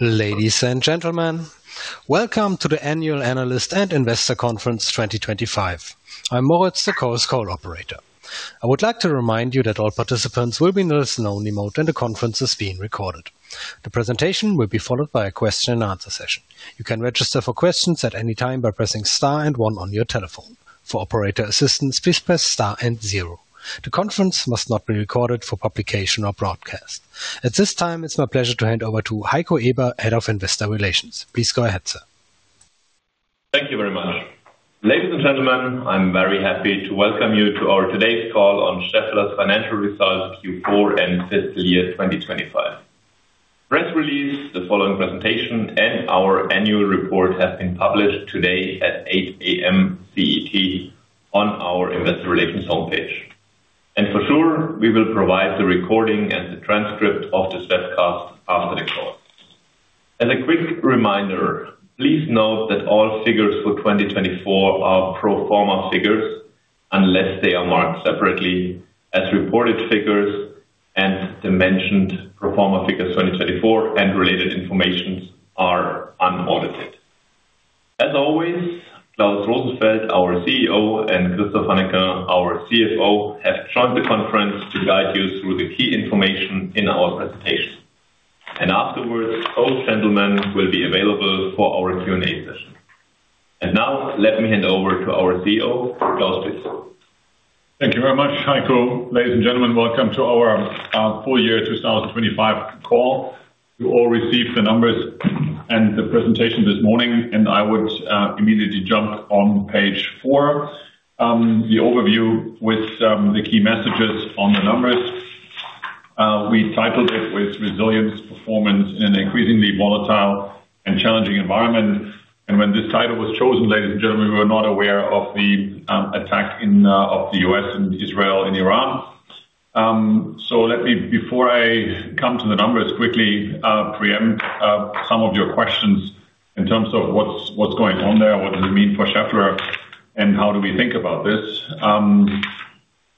Ladies and gentlemen, welcome to the Annual Analyst and Investor Conference 2025. I'm Moritz, the call's call operator. I would like to remind you that all participants will be in a listen-only mode and the conference is being recorded. The presentation will be followed by a question and answer session. You can register for questions at any time by pressing star and one on your telephone. For operator assistance, please press star and zero. The conference must not be recorded for publication or broadcast. At this time, it's my pleasure to hand over to Heiko Eber, Head of Investor Relations. Please go ahead, sir. Thank you very much. Ladies and gentlemen, I'm very happy to welcome you to our today's call on Schaeffler's financial results, Q4 and fiscal year 2025. Press release, the following presentation and our annual report has been published today at 8:00 A.M. CET on our investor relations homepage. For sure, we will provide the recording and the transcript of this press cast after the call. As a quick reminder, please note that all figures for 2024 are pro forma figures, unless they are marked separately as reported figures and the mentioned pro forma figures 2024 and related information are unaudited. As always, Klaus Rosenfeld, our CEO, and Christophe Hannequin, our CFO, have joined the conference to guide you through the key information in our presentation. Afterwards, both gentlemen will be available for our Q&A session. Now, let me hand over to our CEO, Klaus, please. Thank you very much, Heiko. Ladies and gentlemen, welcome to our full year 2025 call. You all received the numbers and the presentation this morning. I would immediately jump on page four. The overview with the key messages on the numbers. We titled it with Resilience Performance in an Increasingly Volatile and Challenging Environment. When this title was chosen, ladies and gentlemen, we were not aware of the attack in of the U.S. and Israel and Iran. Let me, before I come to the numbers, quickly preempt some of your questions in terms of what's going on there, what does it mean for Schaeffler, and how do we think about this.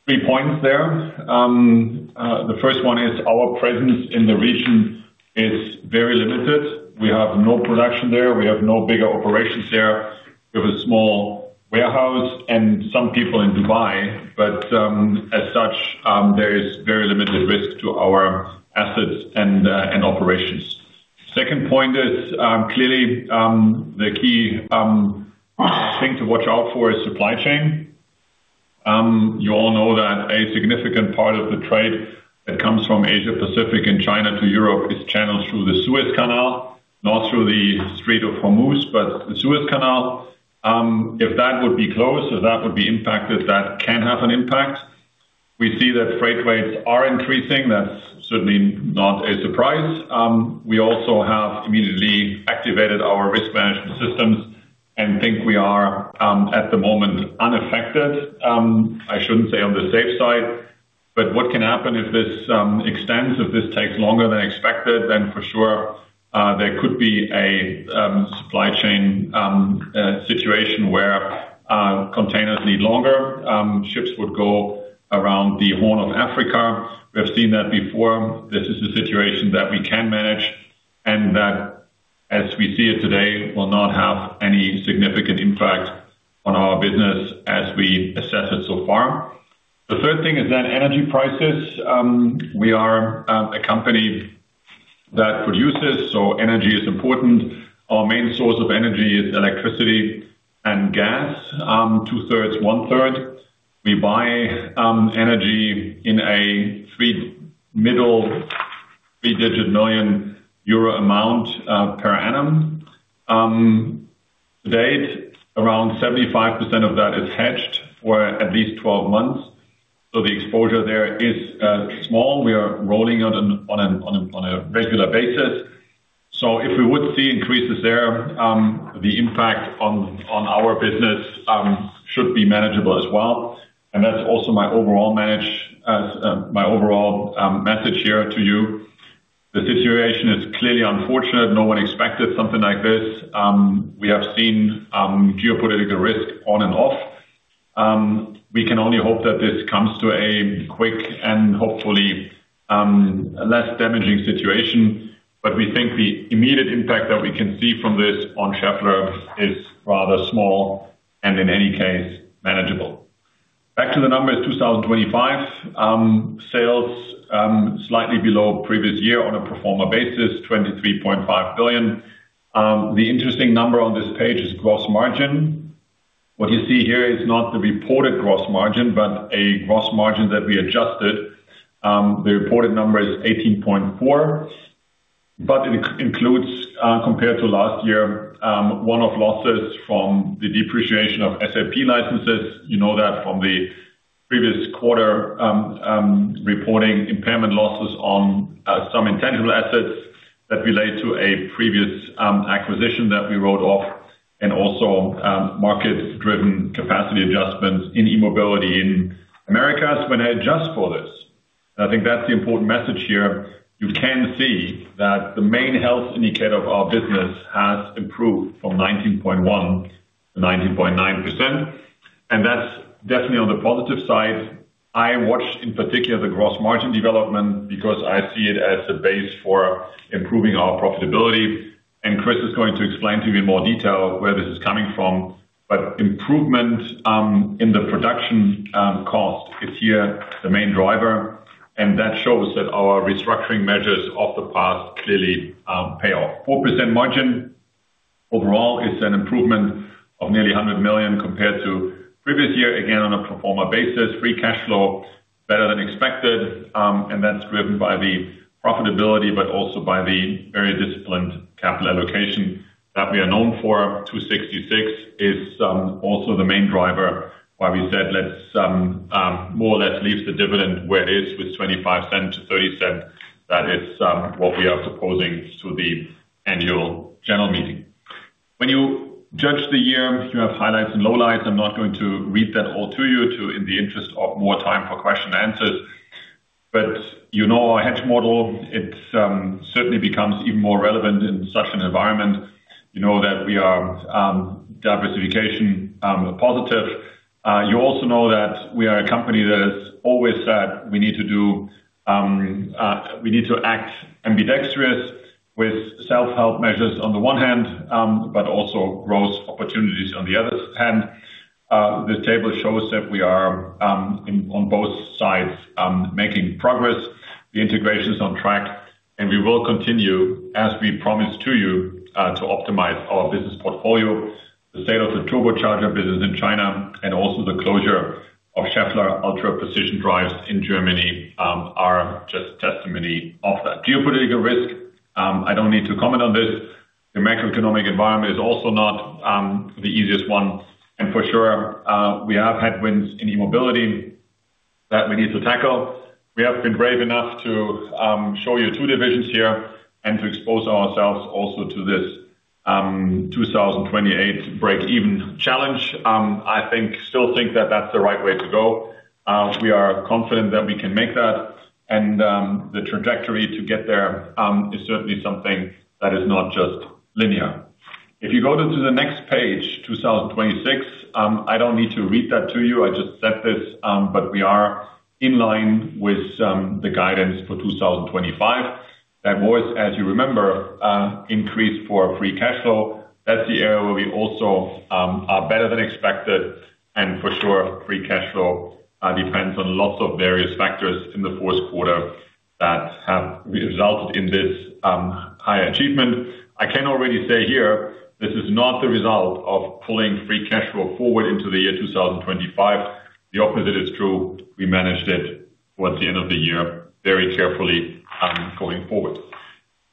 3 points there. The first one is our presence in the region is very limited. We have no production there. We have no bigger operations there. We have a small warehouse and some people in Dubai. As such, there is very limited risk to our assets and operations. Second point is, clearly, the key thing to watch out for is supply chain. You all know that a significant part of the trade that comes from Asia Pacific and China to Europe is channeled through the Suez Canal, not through the Strait of Hormuz, but the Suez Canal. If that would be closed or that would be impacted, that can have an impact. We see that freight rates are increasing. That's certainly not a surprise. We also have immediately activated our risk management systems and think we are at the moment unaffected. I shouldn't say on the safe side, what can happen if this extends, if this takes longer than expected, for sure, there could be a supply chain situation where containers need longer, ships would go around the Horn of Africa. We have seen that before. This is a situation that we can manage and that as we see it today, will not have any significant impact on our business as we assess it so far. The third thing is that energy prices, we are a company that produces, so energy is important. Our main source of energy is electricity and gas, two-thirds, one-third. We buy energy in a three middle three-digit million euro amount per annum. To date, around 75% of that is hedged for at least 12 months. The exposure there is small. We are rolling it on a regular basis. If we would see increases there, the impact on our business should be manageable as well. That's also my overall message here to you. The situation is clearly unfortunate. No one expected something like this. We have seen geopolitical risk on and off. We can only hope that this comes to a quick and hopefully less damaging situation. We think the immediate impact that we can see from this on Schaeffler is rather small and in any case, manageable. Back to the numbers, 2025. Sales, slightly below previous year on a pro forma basis, 23.5 billion. The interesting number on this page is gross margin. What you see here is not the reported gross margin, but a gross margin that we adjusted. The reported number is 18.4%, but it includes, compared to last year, one-off losses from the depreciation of SAP licenses. You know that from the previous quarter, reporting impairment losses on some intangible assets that relate to a previous acquisition that we wrote off and also, market-driven capacity adjustments in E-Mobility in Americas. When I adjust for this, I think that's the important message here, you can see that the main health indicator of our business has improved from 19.1% to 19.9%. That's definitely on the positive side. I watched in particular the gross margin development because I see it as the base for improving our profitability. Chris is going to explain to you in more detail where this is coming from. Improvement in the production cost is here the main driver, and that shows that our restructuring measures of the past clearly pay off. 4% margin overall is an improvement of nearly 100 million compared to previous year, again, on a pro forma basis. Free cash flow better than expected, and that's driven by the profitability but also by the very disciplined capital allocation that we are known for. 266 million is also the main driver why we said let's more or less leave the dividend where it is with 0.25 to 0.30. That is what we are proposing to the AGM. When you judge the year, you have highlights and lowlights. I'm not going to read that all to you in the interest of more time for question and answers. You know our hedge model, it certainly becomes even more relevant in such an environment. You know that we are diversification positive. You also know that we are a company that has always said we need to act ambidextrous with self-help measures on the one hand, but also growth opportunities on the other hand. This table shows that we are on both sides making progress. The integration is on track. We will continue, as we promised to you, to optimize our business portfolio. The sale of the turbocharger business in China and also the closure of Schaeffler Ultra Precision Drives in Germany are just testimony of that. Geopolitical risk, I don't need to comment on this. The macroeconomic environment is also not the easiest one. For sure, we have headwinds in E-Mobility that we need to tackle. We have been brave enough to show you two divisions here and to expose ourselves also to this 2028 break even challenge. I think, still think that that's the right way to go. We are confident that we can make that. The trajectory to get there is certainly something that is not just linear. If you go to the next page, 2026, I don't need to read that to you. I just said this, we are in line with the guidance for 2025. That was, as you remember, increased for free cash flow. That's the area where we also are better than expected. For sure, free cash flow depends on lots of various factors in the fourth quarter that have resulted in this high achievement. I can already say here, this is not the result of pulling free cash flow forward into the year 2025. The opposite is true. We managed it towards the end of the year very carefully, going forward.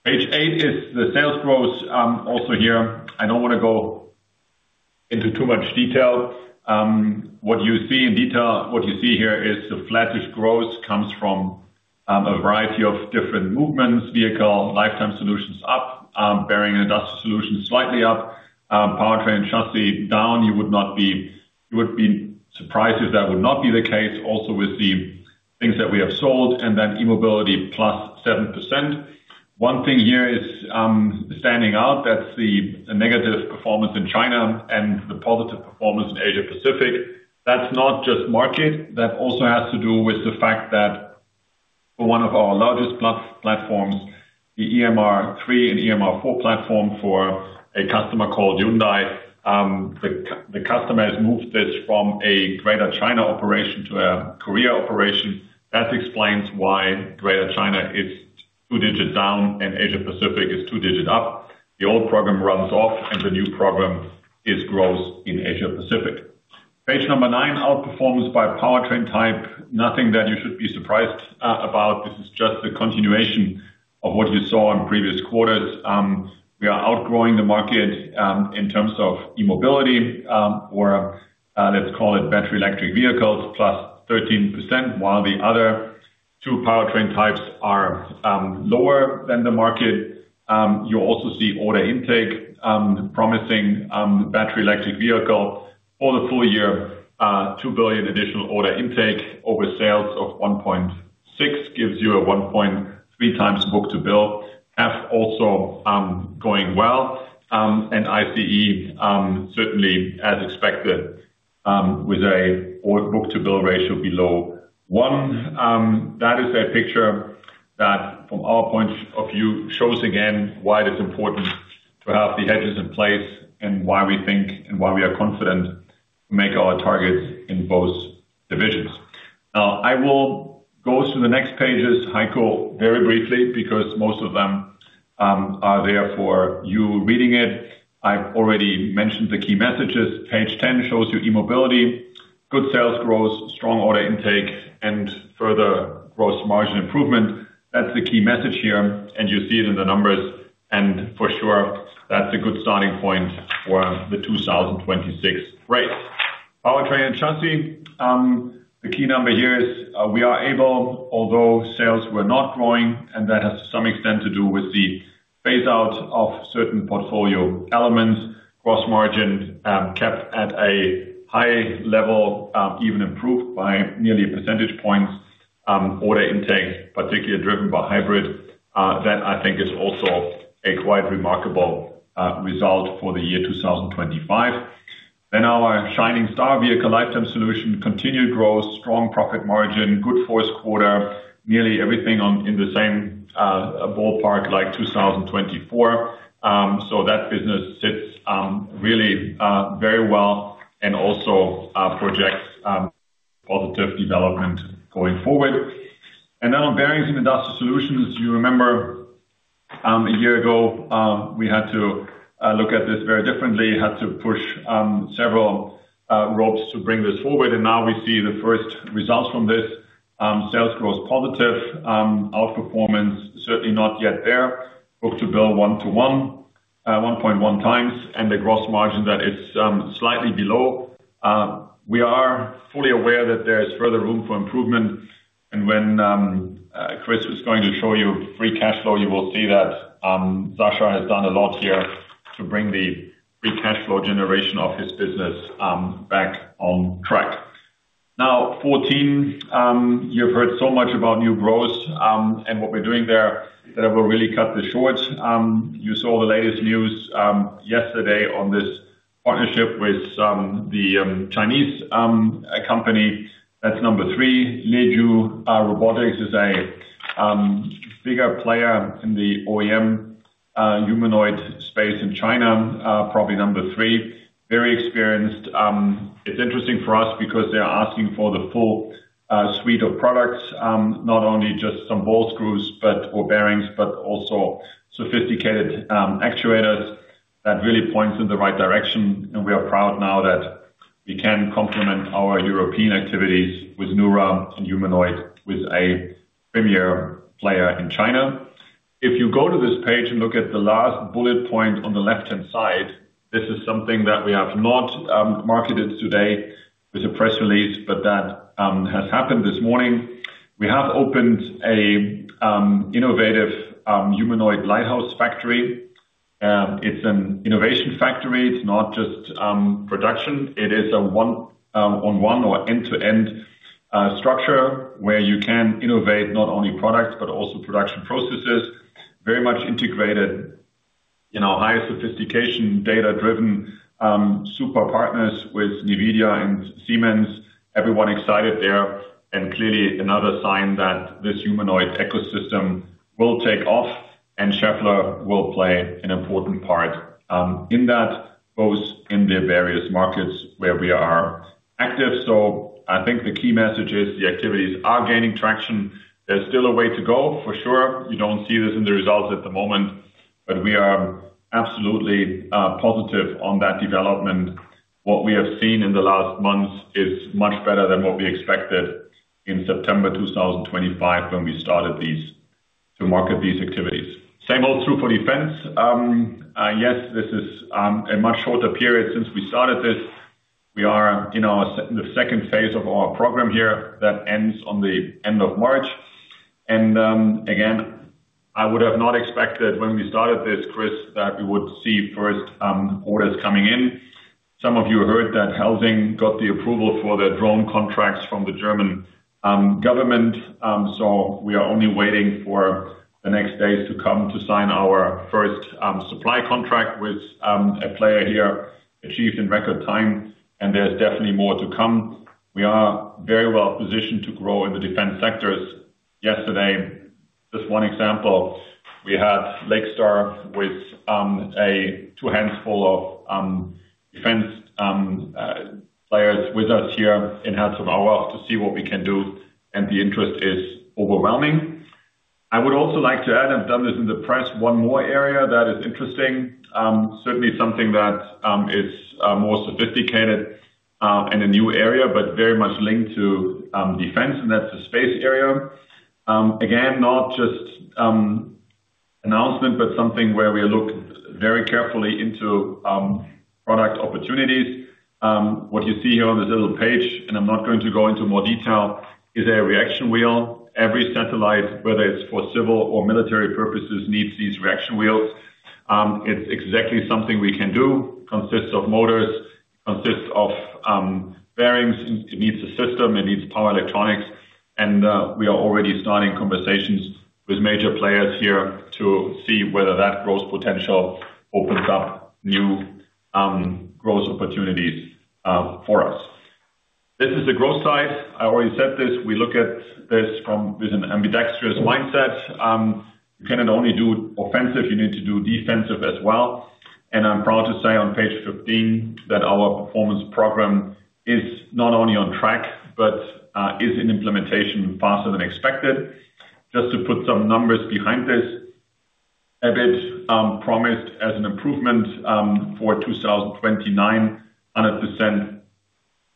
Page eight is the sales growth, also here. I don't wanna go into too much detail. What you see here is the flattish growth comes from a variety of different movements: Vehicle Lifetime Solutions up, Bearings & Industrial Solutions slightly up, Powertrain & Chassis down. You would be surprised if that would not be the case also with the things that we have sold, and then E-Mobility +7%. One thing here is standing out. That's the negative performance in China and the positive performance in Asia Pacific. That's not just market. That also has to do with the fact that for one of our largest platforms, the EMR3 and EMR4 platform for a customer called Hyundai, the customer has moved this from a Greater China operation to a Korea operation. That explains why Greater China is two-digit down and Asia Pacific is two-digit up. The old program runs off and the new program is growth in Asia Pacific. Page number nine, outperformace by powertrain type. Nothing that you should be surprised about. This is just the continuation of what you saw in previous quarters. We are outgrowing the market in terms of E-Mobility, or let's call it battery electric vehicles, +13%, while the other two powertrain types are lower than the market. You also see order intake promising battery electric vehicle for the full year. 2 billion additional order intake over sales of 1.6 billion gives you a 1.3x book-to-bill. F also going well, and ICE certainly as expected with a book-to-bill ratio below 1x. That is a picture that from our point of view, shows again why it is important to have the hedges in place and why we think and why we are confident to make our targets in both divisions. I will go through the next pages, Heiko, very briefly because most of them are there for you reading it. I've already mentioned the key messages. Page 10 shows you E-Mobility, good sales growth, strong order intake, and further gross margin improvement. That's the key message here, and you see it in the numbers. For sure, that's a good starting point for the 2026 race. Powertrain & Chassis, the key number here is, we are able, although sales were not growing, and that has to some extent to do with the phase out of certain portfolio elements. Gross margin kept at a high level, even improved by nearly a percentage point. Order intake, particularly driven by hybrid, that I think is also a quite remarkable result for the year 2025. Our shining star Vehicle Lifetime Solutions continued growth, strong profit margin, good fourth quarter, nearly everything on, in the same ballpark like 2024. That business sits really very well and also projects positive development going forward. On Bearings & Industrial Solutions, you remember, a year ago, we had to look at this very differently, had to push several ropes to bring this forward, now we see the first results from this. Sales growth positive, outperformance certainly not yet there. Book-to-bill 1.1x, the gross margin that is slightly below. We are fully aware that there is further room for improvement. When Chris is going to show you free cash flow, you will see that Sasha has done a lot here to bring the free cash flow generation of his business back on track. Now, 14, you've heard so much about new growth and what we're doing there that I will really cut this short. You saw the latest news yesterday on this partnership with the Chinese company. That's number three. Leju Robotics is a bigger player in the OEM humanoid space in China, probably number three. Very experienced. It's interesting for us because they're asking for the full suite of products, not only just some ball screws or bearings, but also sophisticated actuators that really points in the right direction. We are proud now that we can complement our European activities with NEURA and humanoid with a premier player in China. If you go to this page and look at the last bullet point on the left-hand side, this is something that we have not marketed today with a press release, but that has happened this morning. We have opened a innovative humanoid lighthouse factory. It's an innovation factory. It's not just production. It is a one on one or end-to-end structure where you can innovate not only products but also production processes, very much integrated in our highest sophistication, data-driven super partners with NVIDIA and Siemens. Everyone excited there and clearly another sign that this humanoid ecosystem will take off, and Schaeffler will play an important part in that, both in the various markets where we are active. I think the key message is the activities are gaining traction. There's still a way to go for sure. You don't see this in the results at the moment, but we are absolutely positive on that development. What we have seen in the last months is much better than what we expected in September 2025 when we started to market these activities. Same old true for defense. Yes, this is a much shorter period since we started this. We are in the second phase of our program here that ends on the end of March. Again, I would have not expected when we started this, Chris, that we would see first orders coming in. Some of you heard that Helsing got the approval for the drone contracts from the German government. We are only waiting for the next days to come to sign our first supply contract with a player here, achieved in record time, and there's definitely more to come. We are very well positioned to grow in the defense sectors. Yesterday, just one example, we had Lakestar with a two handful of defense players with us here in Herzogenaurach to see what we can do, and the interest is overwhelming. I would also like to add, I've done this in the press, one more area that is interesting, certainly something that is more sophisticated, and a new area, but very much linked to defense, and that's the space area. Again, not just announcement, but something where we look very carefully into product opportunities. What you see here on this little page, I'm not going to go into more detail, is a reaction wheel. Every satellite, whether it's for civil or military purposes, needs these reaction wheels. It's exactly something we can do. Consists of motors, consists of bearings. It needs a system, it needs power electronics. We are already starting conversations with major players here to see whether that growth potential opens up new growth opportunities for us. This is the growth side. I already said this. We look at this with an ambidextrous mindset. You cannot only do offensive, you need to do defensive as well. I'm proud to say on page 15 that our performance program is not only on track but is in implementation faster than expected. Just to put some numbers behind this a bit, promised as an improvement for 2029, 100%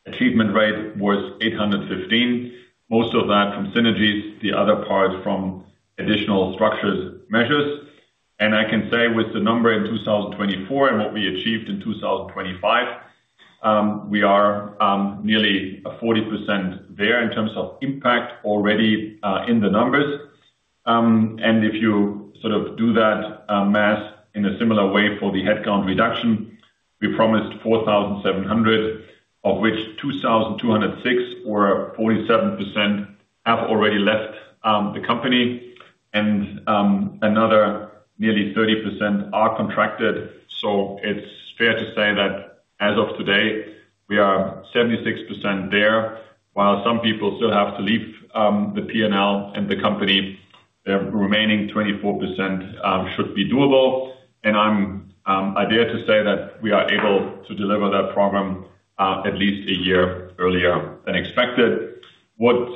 achievement rate was 815 million. Most of that from synergies, the other part from additional structured measures. I can say with the number in 2024 and what we achieved in 2025, we are nearly 40% there in terms of impact already in the numbers. If you sort of do that math in a similar way for the headcount reduction, we promised 4,700, of which 2,206 or 47% have already left the company. Another nearly 30% are contracted. It's fair to say that as of today, we are 76% there. While some people still have to leave, the P&L and the company, the remaining 24% should be doable. I dare to say that we are able to deliver that program at least a year earlier than expected. What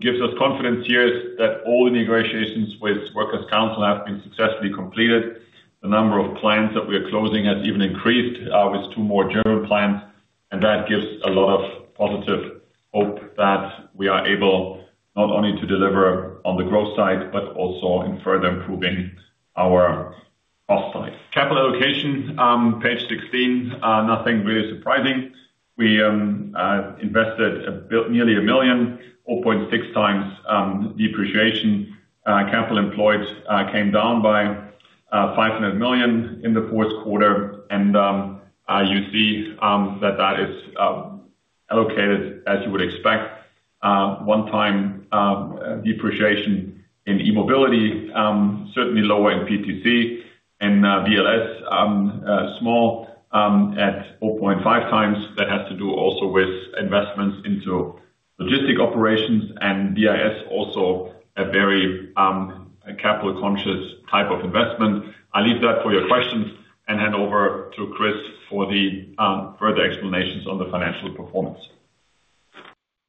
gives us confidence here is that all the negotiations with Works Council have been successfully completed. The number of clients that we are closing has even increased with two more general clients, that gives a lot of positive hope that we are able not only to deliver on the growth side, but also in further improving our cost side. Capital allocation, page 16. Nothing really surprising. We invested nearly 1 million, 4.6x depreciation. Capital employed came down by 500 million in the fourth quarter. You see, that is allocated as you would expect, one time depreciation in E-Mobility, certainly lower in PTC and VLS, small at 4.5x. That has to do also with investments into logistic operations and BIS also a very capital conscious type of investment. I'll leave that for your questions and hand over to Chris for the further explanations on the financial performance.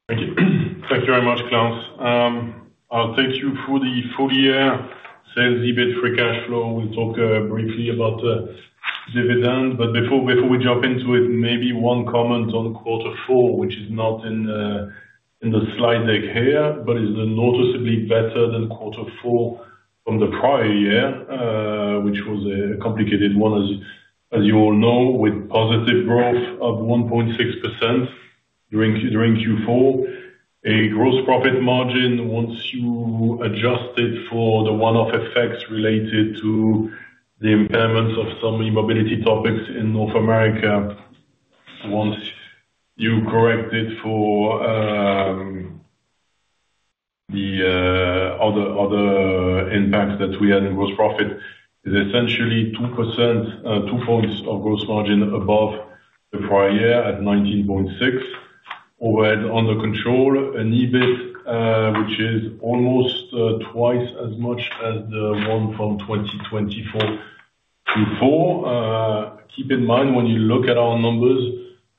Thank you. Thank you very much, Klaus. I'll take you through the full year sales EBIT free cash flow. We'll talk briefly about the dividend, before we jump into it, maybe one comment on Q4, which is not in the slide deck here, is noticeably better than Q4 from the prior year, which was a complicated one, as you all know, with positive growth of 1.6% during Q4. A gross profit margin, once you adjust it for the one-off effects related to the impairments of some E-Mobility topics in North America, once you correct it for the other impacts that we had in gross profit, is essentially 2%, 2 points of gross margin above the prior year at 19.6%. Overhead under control and EBIT, which is almost twice as much as the one from 2024 Q4. Keep in mind when you look at our numbers,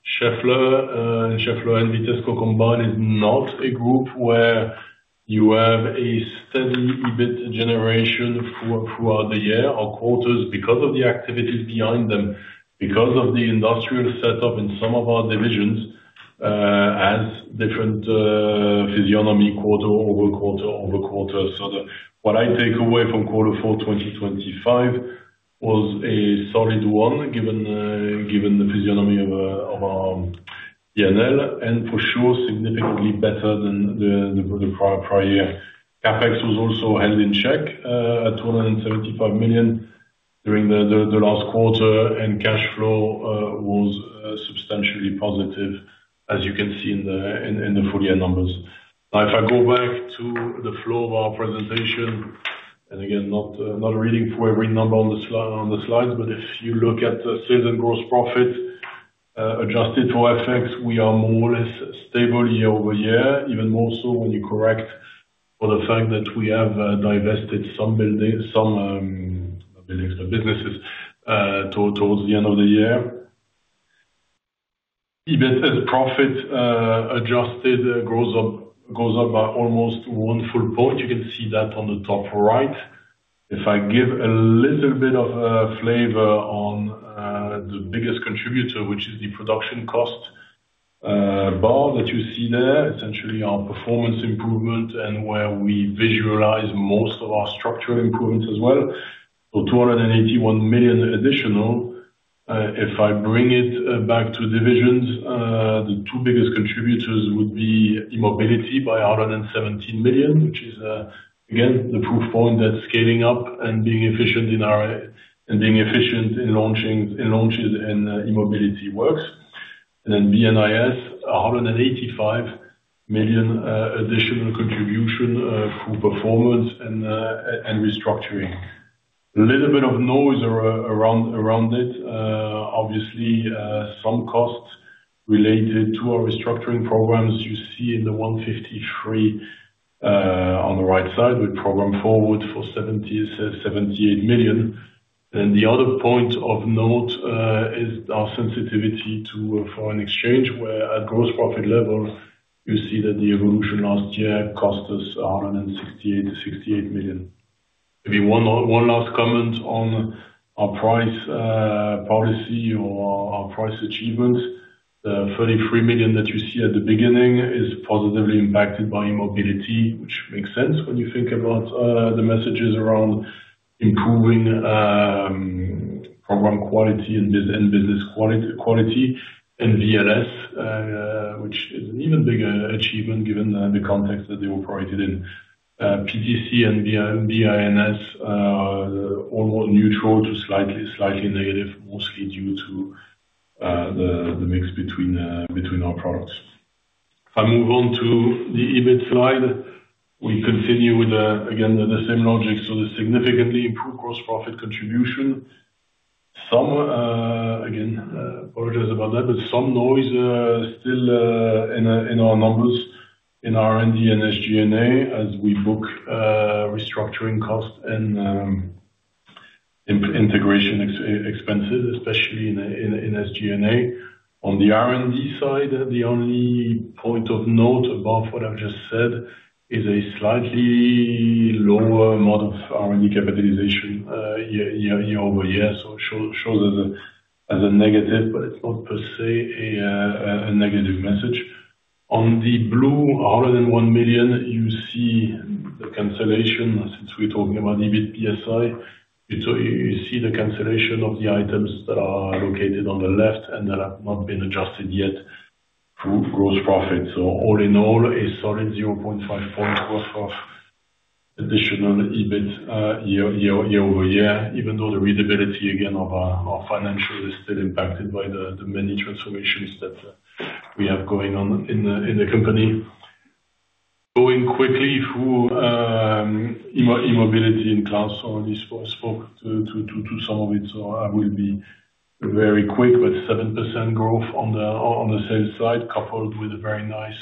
Schaeffler and Vitesco combined is not a group where you have a steady EBIT generation throughout the year or quarters because of the activities behind them, because of the industrial setup in some of our divisions, as different physiognomy quarter over quarter over quarter. What I take away from quarter four 2025 was a solid one, given the physiognomy of our P&L, and for sure significantly better than the prior year. CapEx was also held in check at 275 million during the last quarter. Cash flow was substantially positive, as you can see in the full year numbers. If I go back to the flow of our presentation, again, not reading for every number on the slides, but if you look at the sales and gross profit, adjusted for FX, we are more or less stable year-over-year, even more so when you correct for the fact that we have divested some building, some not buildings, but businesses towards the end of the year. EBIT as profit, adjusted grows up by almost one full point. You can see that on the top right. If I give a little bit of flavor on the biggest contributor, which is the production cost bar that you see there, essentially our performance improvement and where we visualize most of our structural improvements as well. 281 million additional. If I bring it back to divisions, the two biggest contributors would be E-Mobility by 117 million, which is again, the proof point that scaling up and being efficient in launches and E-Mobility works. VNIS, 185 million additional contribution through performance and restructuring. A little bit of noise around it. Obviously, some costs related to our restructuring programs you see in the 153 million on the right side. We program forward for 78 million. The other point of note is our sensitivity to foreign exchange, where at gross profit level, you see that the evolution last year cost us 168 to 68 million. Maybe one last comment on our price policy or our price achievement. The 33 million that you see at the beginning is positively impacted by E-Mobility, which makes sense when you think about the messages around improving program quality and business quality and VLS, which is an even bigger achievement given the context that they operated in. PTC and B&IS are all more neutral to slightly negative, mostly due to the mix between our products. If I move on to the EBIT slide, we continue with again the same logic. The significantly improved gross profit contribution. Some, again, apologies about that, but some noise, still, in our numbers in R&D and SG&A as we book restructuring costs and integration expenses, especially in SG&A. On the R&D side, the only point of note above what I've just said is a slightly lower mode of R&D capitalization, year-over-year. shows as a negative, but it's not per se a negative message. On the blue 101 million, you see the cancellation since we're talking about EBIT B&SI. you see the cancellation of the items that are located on the left and that have not been adjusted yet through gross profit. All in all, a solid 0.5 point growth of additional EBIT year-over-year, even though the readability again of our financials is still impacted by the many transformations that we have going on in the company. Going quickly through E-Mobility and loud. This was spoke to some of it, I will be very quick. 7% growth on the sales side, coupled with a very nice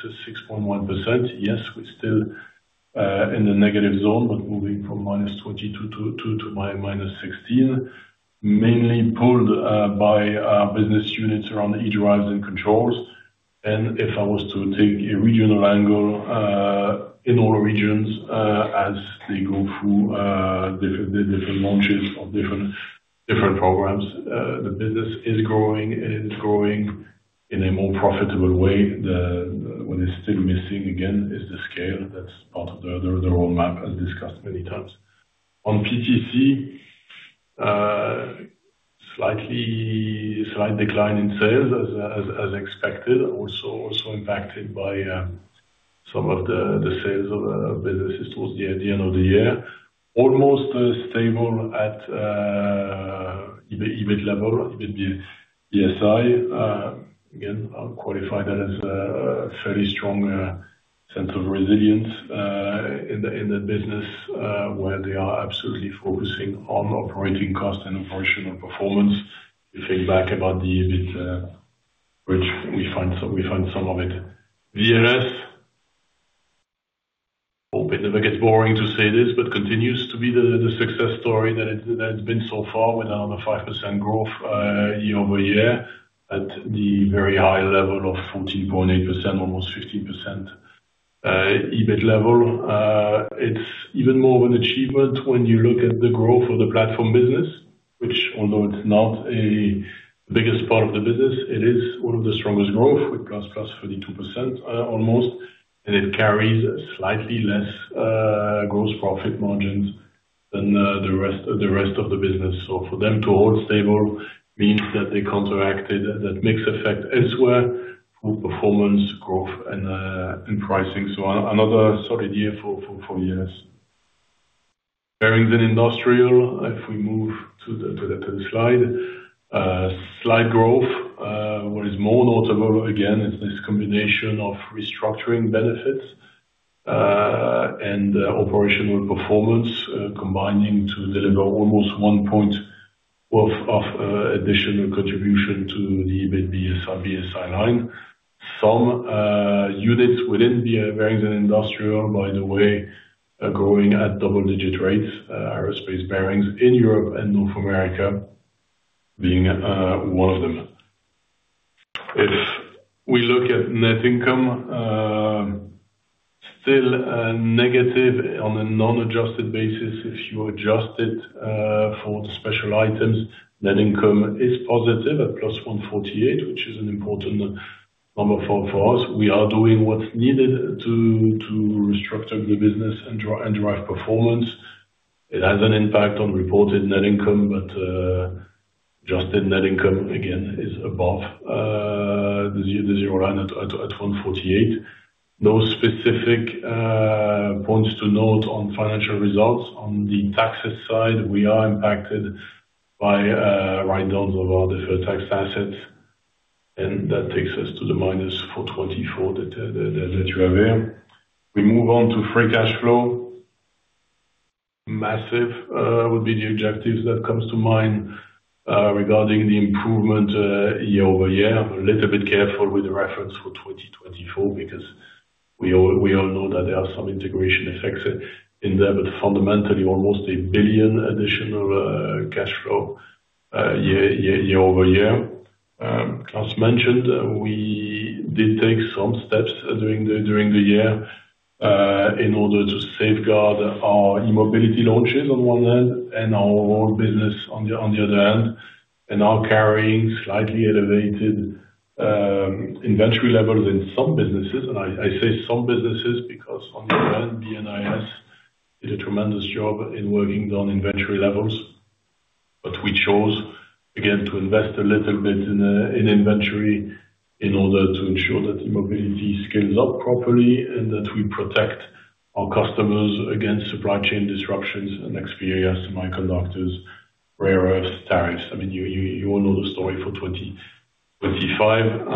6.1%. Yes, we're still in the negative zone, but moving from -20% to -16%, mainly pulled by our business units around eDrives and controls. If I was to take a regional angle, in all regions, as they go through the different launches of different programs, the business is growing, and it's growing in a more profitable way. What is still missing again is the scale. That's part of the roadmap as discussed many times. On PTC, slight decline in sales as expected. Also impacted by some of the sales of businesses towards the end of the year. Almost stable at EBIT level, EBIT B&SI. Again, I'll qualify that as a fairly strong sense of resilience in the business, where they are absolutely focusing on operating costs and operational performance. You think back about the EBIT, which we find some of it. VLS. Hope it never gets boring to say this, continues to be the success story that it's been so far with another 5% growth year-over-year at the very high level of 14.8%, almost 15%, EBIT level. It's even more of an achievement when you look at the growth of the platform business, which although it's not a biggest part of the business, it is one of the strongest growth with +32% almost. It carries slightly less gross profit margins than the rest of the business. Another solid year for VLS. Bearings and Industrial, if we move to the slide. Slight growth. What is more notable again is this combination of restructuring benefits and operational performance combining to deliver almost 1 point worth of additional contribution to the EBIT B&SI line. Some units within the Bearings & Industrial, by the way, are growing at double-digit rates, aerospace bearings in Europe and North America being one of them. If we look at net income, still negative on a non-adjusted basis. If you adjust it for the special items, net income is positive at +148 million, which is an important number for us. We are doing what's needed to restructure the business and drive performance. It has an impact on reported net income, but adjusted net income again is above the zero line at 148 million. No specific points to note on financial results. On the taxes side, we are impacted by write-downs of our deferred tax assets. That takes us to the minus 424 million that you have there. We move on to free cash flow. Massive would be the adjective that comes to mind regarding the improvement year-over-year. A little bit careful with the reference for 2024, because we all know that there are some integration effects in there. Fundamentally almost 1 billion additional cash flow year-over-year. Klaus mentioned we did take some steps during the year in order to safeguard our E-Mobility launches on one hand and our own business on the other hand. Are carrying slightly elevated inventory levels in some businesses. I say some businesses because on the end, B&IS did a tremendous job in working down inventory levels. We chose, again, to invest a little bit in inventory in order to ensure that mobility scales up properly and that we protect our customers against supply chain disruptions, and next few years to micro conductors, rare earths, tariffs. I mean, you all know the story for 2025.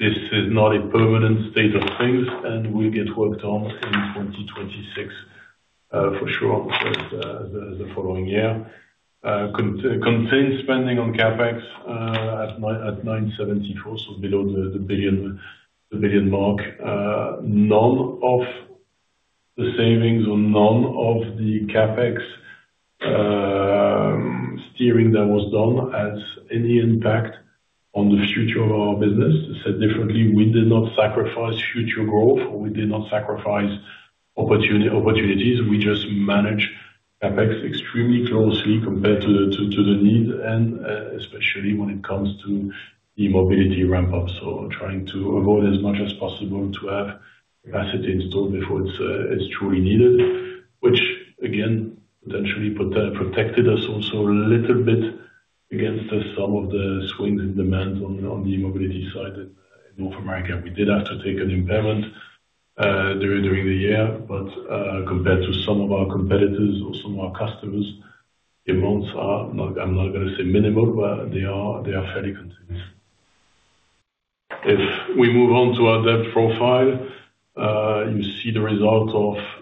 This is not a permanent state of things, and will get worked on in 2026 for sure. It's the following year. Contained spending on CapEx at 974 million, so below the 1 billion mark. None of the savings or none of the CapEx steering that was done has any impact on the future of our business. Said differently, we did not sacrifice future growth, or we did not sacrifice opportunities. We just manage CapEx extremely closely compared to the need and especially when it comes to the mobility ramp up. Trying to avoid as much as possible to have capacity installed before it's truly needed, which again, potentially protected us also a little bit against the some of the swing in demand on the mobility side in North America. We did have to take an impairment during the year, but compared to some of our competitors or some of our customers, the amounts are not, I'm not gonna say minimal, but they are fairly consistent. If we move on to our debt profile, you see the result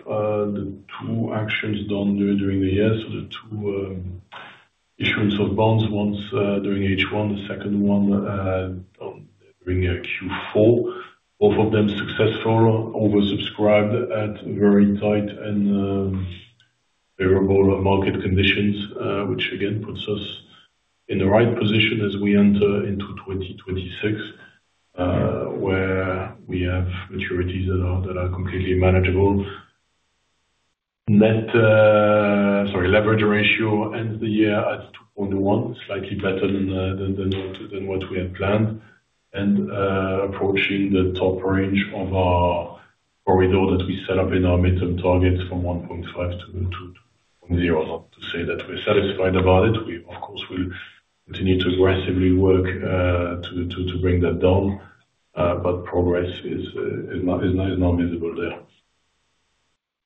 of the two actions done during the year. The two issuance of bonds, once during H1, the second one during Q4. Both of them successful, oversubscribed at very tight and favorable market conditions, which again, puts us in the right position as we enter into 2026, where we have maturities that are completely manageable. Sorry, leverage ratio ends the year at 2.1x, slightly better than what we had planned. Approaching the top range of our corridor that we set up in our midterm targets from 1.5x to 2x from 0. Not to say that we're satisfied about it. We, of course, will continue to aggressively work to bring that down, but progress is not visible there.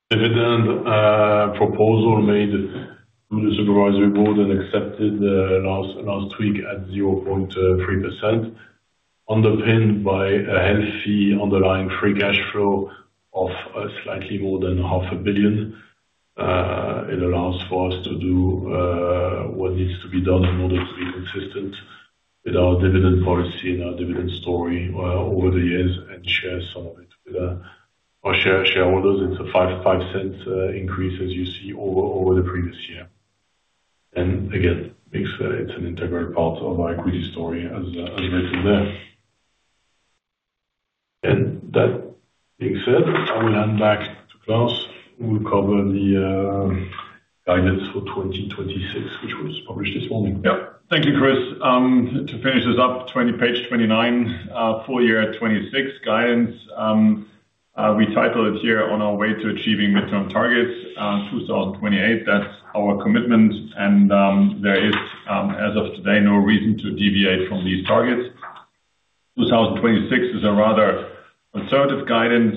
Dividend, proposal made through the supervisory board and accepted, last week at 0.3%. Underpinned by a healthy underlying free cash flow of slightly more than 500 million. It allows for us to do what needs to be done in order to be consistent with our dividend policy and our dividend story over the years, and share some of it with our shareholders. It's a 0.05 increase as you see over the previous year. Again, it's an integral part of our equity story as written there. That being said, I will hand back to Klaus, who will cover the guidance for 2026, which was published this morning. Yeah. Thank you, Chris. To finish this up, page 29, full year 2026 guidance. We title it here on our way to achieving midterm targets, 2028. That's our commitment and there is, as of today, no reason to deviate from these targets. 2026 is a rather conservative guidance,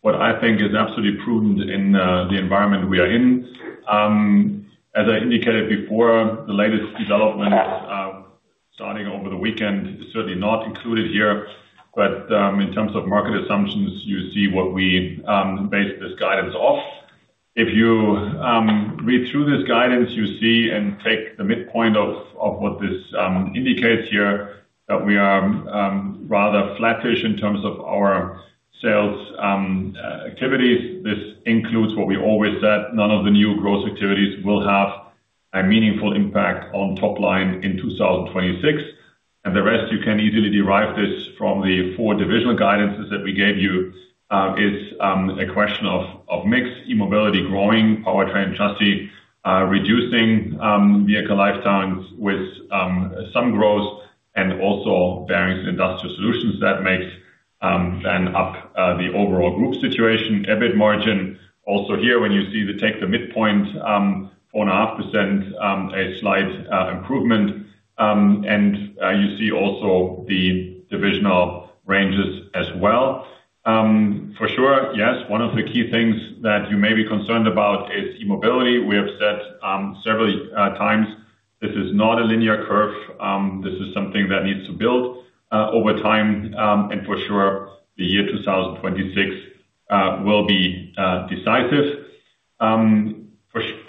what I think is absolutely prudent in the environment we are in. As I indicated before, the latest developments, starting over the weekend is certainly not included here. In terms of market assumptions, you see what we base this guidance off. If you read through this guidance, you see and take the midpoint of what this indicates here, that we are rather flattish in terms of our sales activities. This includes what we always said, none of the new growth activities will have a meaningful impact on top line in 2026. The rest, you can easily derive this from the four divisional guidances that we gave you. It's a question of mix, E-Mobility growing, Powertrain & Chassis reducing, Vehicle Lifetime Solutions with some growth and also Bearings & Industrial Solutions that makes fan up the overall group situation. EBIT margin, also here, when you take the midpoint, 4.5%, a slight improvement. You see also the divisional ranges as well. For sure, yes, one of the key things that you may be concerned about is E-Mobility. We have said several times this is not a linear curve, this is something that needs to build over time. For sure the year 2026 will be decisive.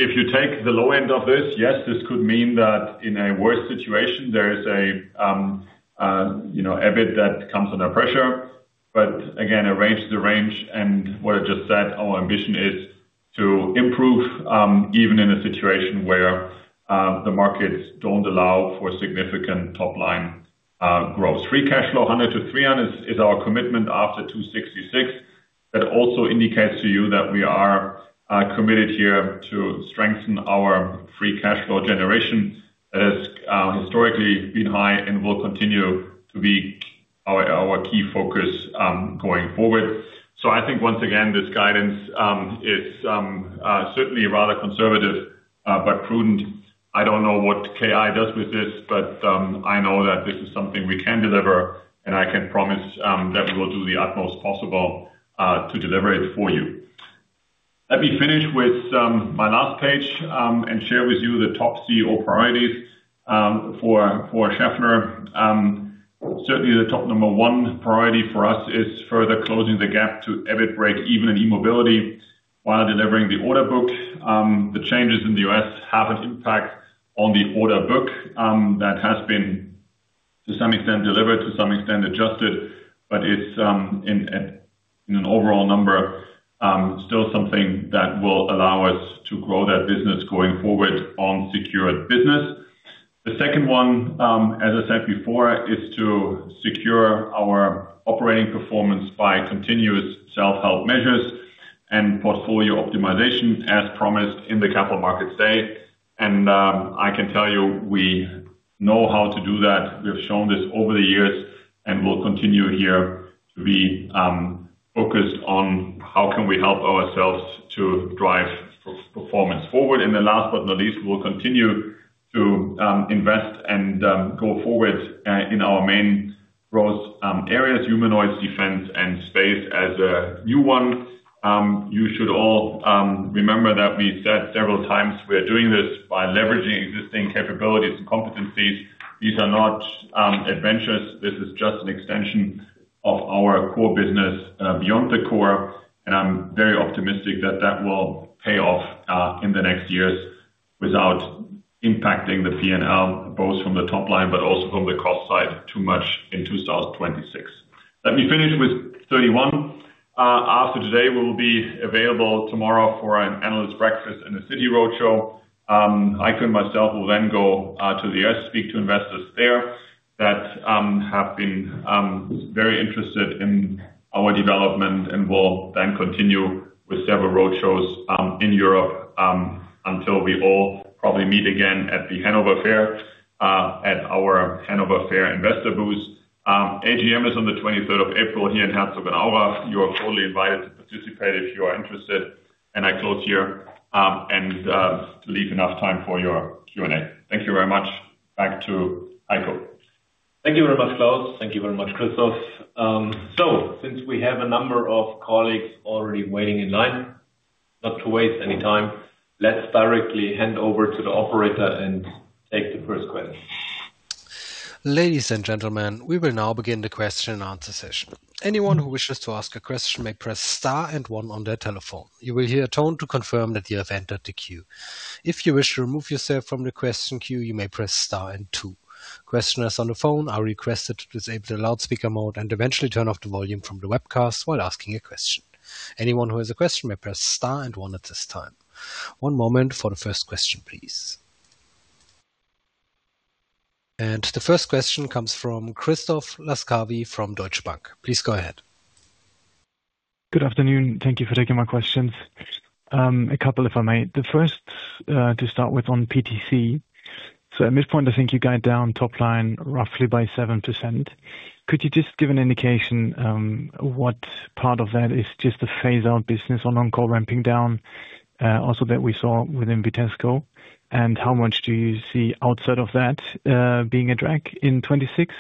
If you take the low end of this, yes, this could mean that in a worse situation there is a, you know, EBIT that comes under pressure, but again, a range is a range. What I just said, our ambition is to improve even in a situation where the markets don't allow for significant top line growth. Free cash flow, 100 million-300 million is our commitment after 266 million. That also indicates to you that we are committed here to strengthen our free cash flow generation that has historically been high and will continue to be our key focus going forward. I think once again, this guidance is certainly rather conservative but prudent. I don't know what KI does with this, but I know that this is something we can deliver, and I can promise that we will do the utmost possible to deliver it for you. Let me finish with my last page and share with you the top CEO priorities for Schaeffler. Certainly the top number one priority for us is further closing the gap to EBIT break-even in E-Mobility while delivering the order book. The changes in the U.S. have an impact on the order book, that has been to some extent delivered, to some extent adjusted, but it's in an overall number, still something that will allow us to grow that business going forward on secured business. The second one, as I said before, is to secure our operating performance by continuous self-help measures and portfolio optimization as promised in the Capital Markets Day. I can tell you we know how to do that. We have shown this over the years, and we'll continue here to be focused on how can we help ourselves to drive performance forward. Last but not least, we'll continue to invest and go forward in our main growth areas, humanoids, defense, and space as a new one. You should all remember that we said several times we are doing this by leveraging existing capabilities and competencies. These are not adventures. This is just an extension of our core business beyond the core. I'm very optimistic that that will pay off in the next years without impacting the P&L, both from the top line but also from the cost side too much in 2026. Let me finish with page 31. After today, we'll be available tomorrow for an analyst breakfast and a Citi roadshow. Heiko and myself will then go to the U.S., speak to investors there that have been very interested in our development. We will then continue with several roadshows in Europe until we all probably meet again at the Hanover Fair at our Hanover Fair investor booth. AGM is on the 23rd of April here in Herzogenaurach. You are totally invited to participate if you are interested. I close here, and leave enough time for your Q&A. Thank you very much. Back to Heiko. Thank you very much, Klaus. Thank you very much, Christophe. Since we have a number of colleagues already waiting in line, not to waste any time, let's directly hand over to the operator and take the first question. Ladies and gentlemen, we will now begin the question and answer session. Anyone who wishes to ask a question may press star 1 on their telephone. You will hear a tone to confirm that you have entered the queue. If you wish to remove yourself from the question queue, you may press star 2. Questioners on the phone are requested to disable the loudspeaker mode and eventually turn off the volume from the webcast while asking a question. Anyone who has a question may press star 1 at this time. One moment for the first question, please. The first question comes from Christoph Laskawi from Deutsche Bank. Please go ahead. Good afternoon. Thank you for taking my questions. A couple if I may. The first, to start with on PTC. At midpoint, I think you guide down top line roughly by 7%. Could you just give an indication, what part of that is just the phase out business on on-call ramping down, also that we saw within Vitesco? How much do you see outside of that, being a drag in 2026?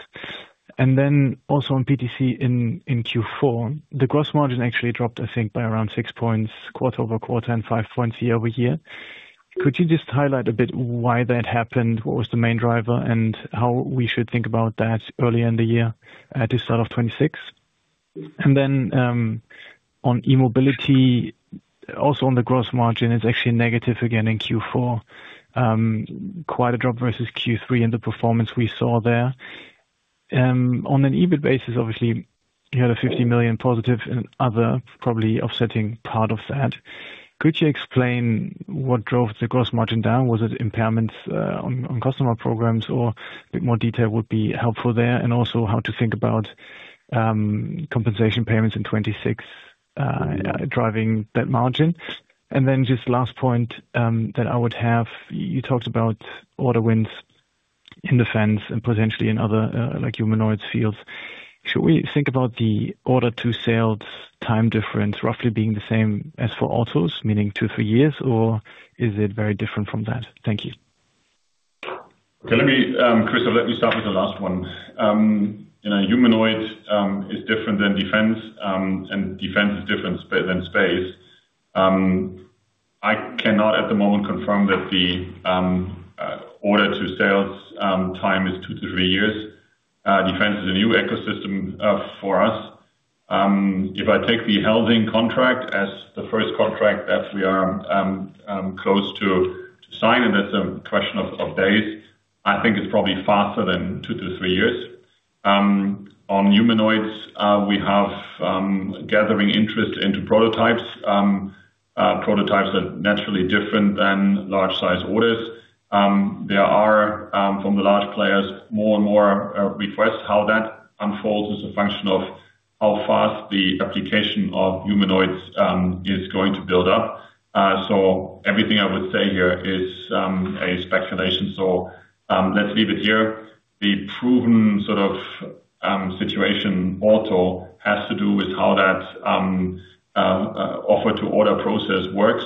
Also on PTC in Q4, the gross margin actually dropped, I think, by around 6 points quarter-over-quarter and 5 points year-over-year. Could you just highlight a bit why that happened? What was the main driver, and how we should think about that early in the year at the start of 2026? On E-Mobility, also on the gross margin, it's actually negative again in Q4. Quite a drop versus Q3 and the performance we saw there. On an EBIT basis, obviously you had a 50 million positive and other probably offsetting part of that. Could you explain what drove the gross margin down? Was it impairments on customer programs or a bit more detail would be helpful there. Also how to think about compensation payments in 2026 driving that margin. Just last point that I would have. You talked about order wins in defense and potentially in other like humanoids fields. Should we think about the order to sales time difference roughly being the same as for autos, meaning two, three years, or is it very different from that? Thank you. Okay, let me, Christoph, let me start with the last one. You know, humanoid is different than defense, and defense is different than space. I cannot at the moment confirm that the order to sales time is two to three years. Defense is a new ecosystem for us. If I take the Helsing contract as the first contract that we are close to signing, that's a question of days. I think it's probably faster than two to three years. On humanoids, we have gathering interest into prototypes. Prototypes are naturally different than large size orders. There are from the large players, more and more requests. How that unfolds is a function of how fast the application of humanoids is going to build up. Everything I would say here is a speculation. Let's leave it here. The proven sort of situation also has to do with how that offer to order process works.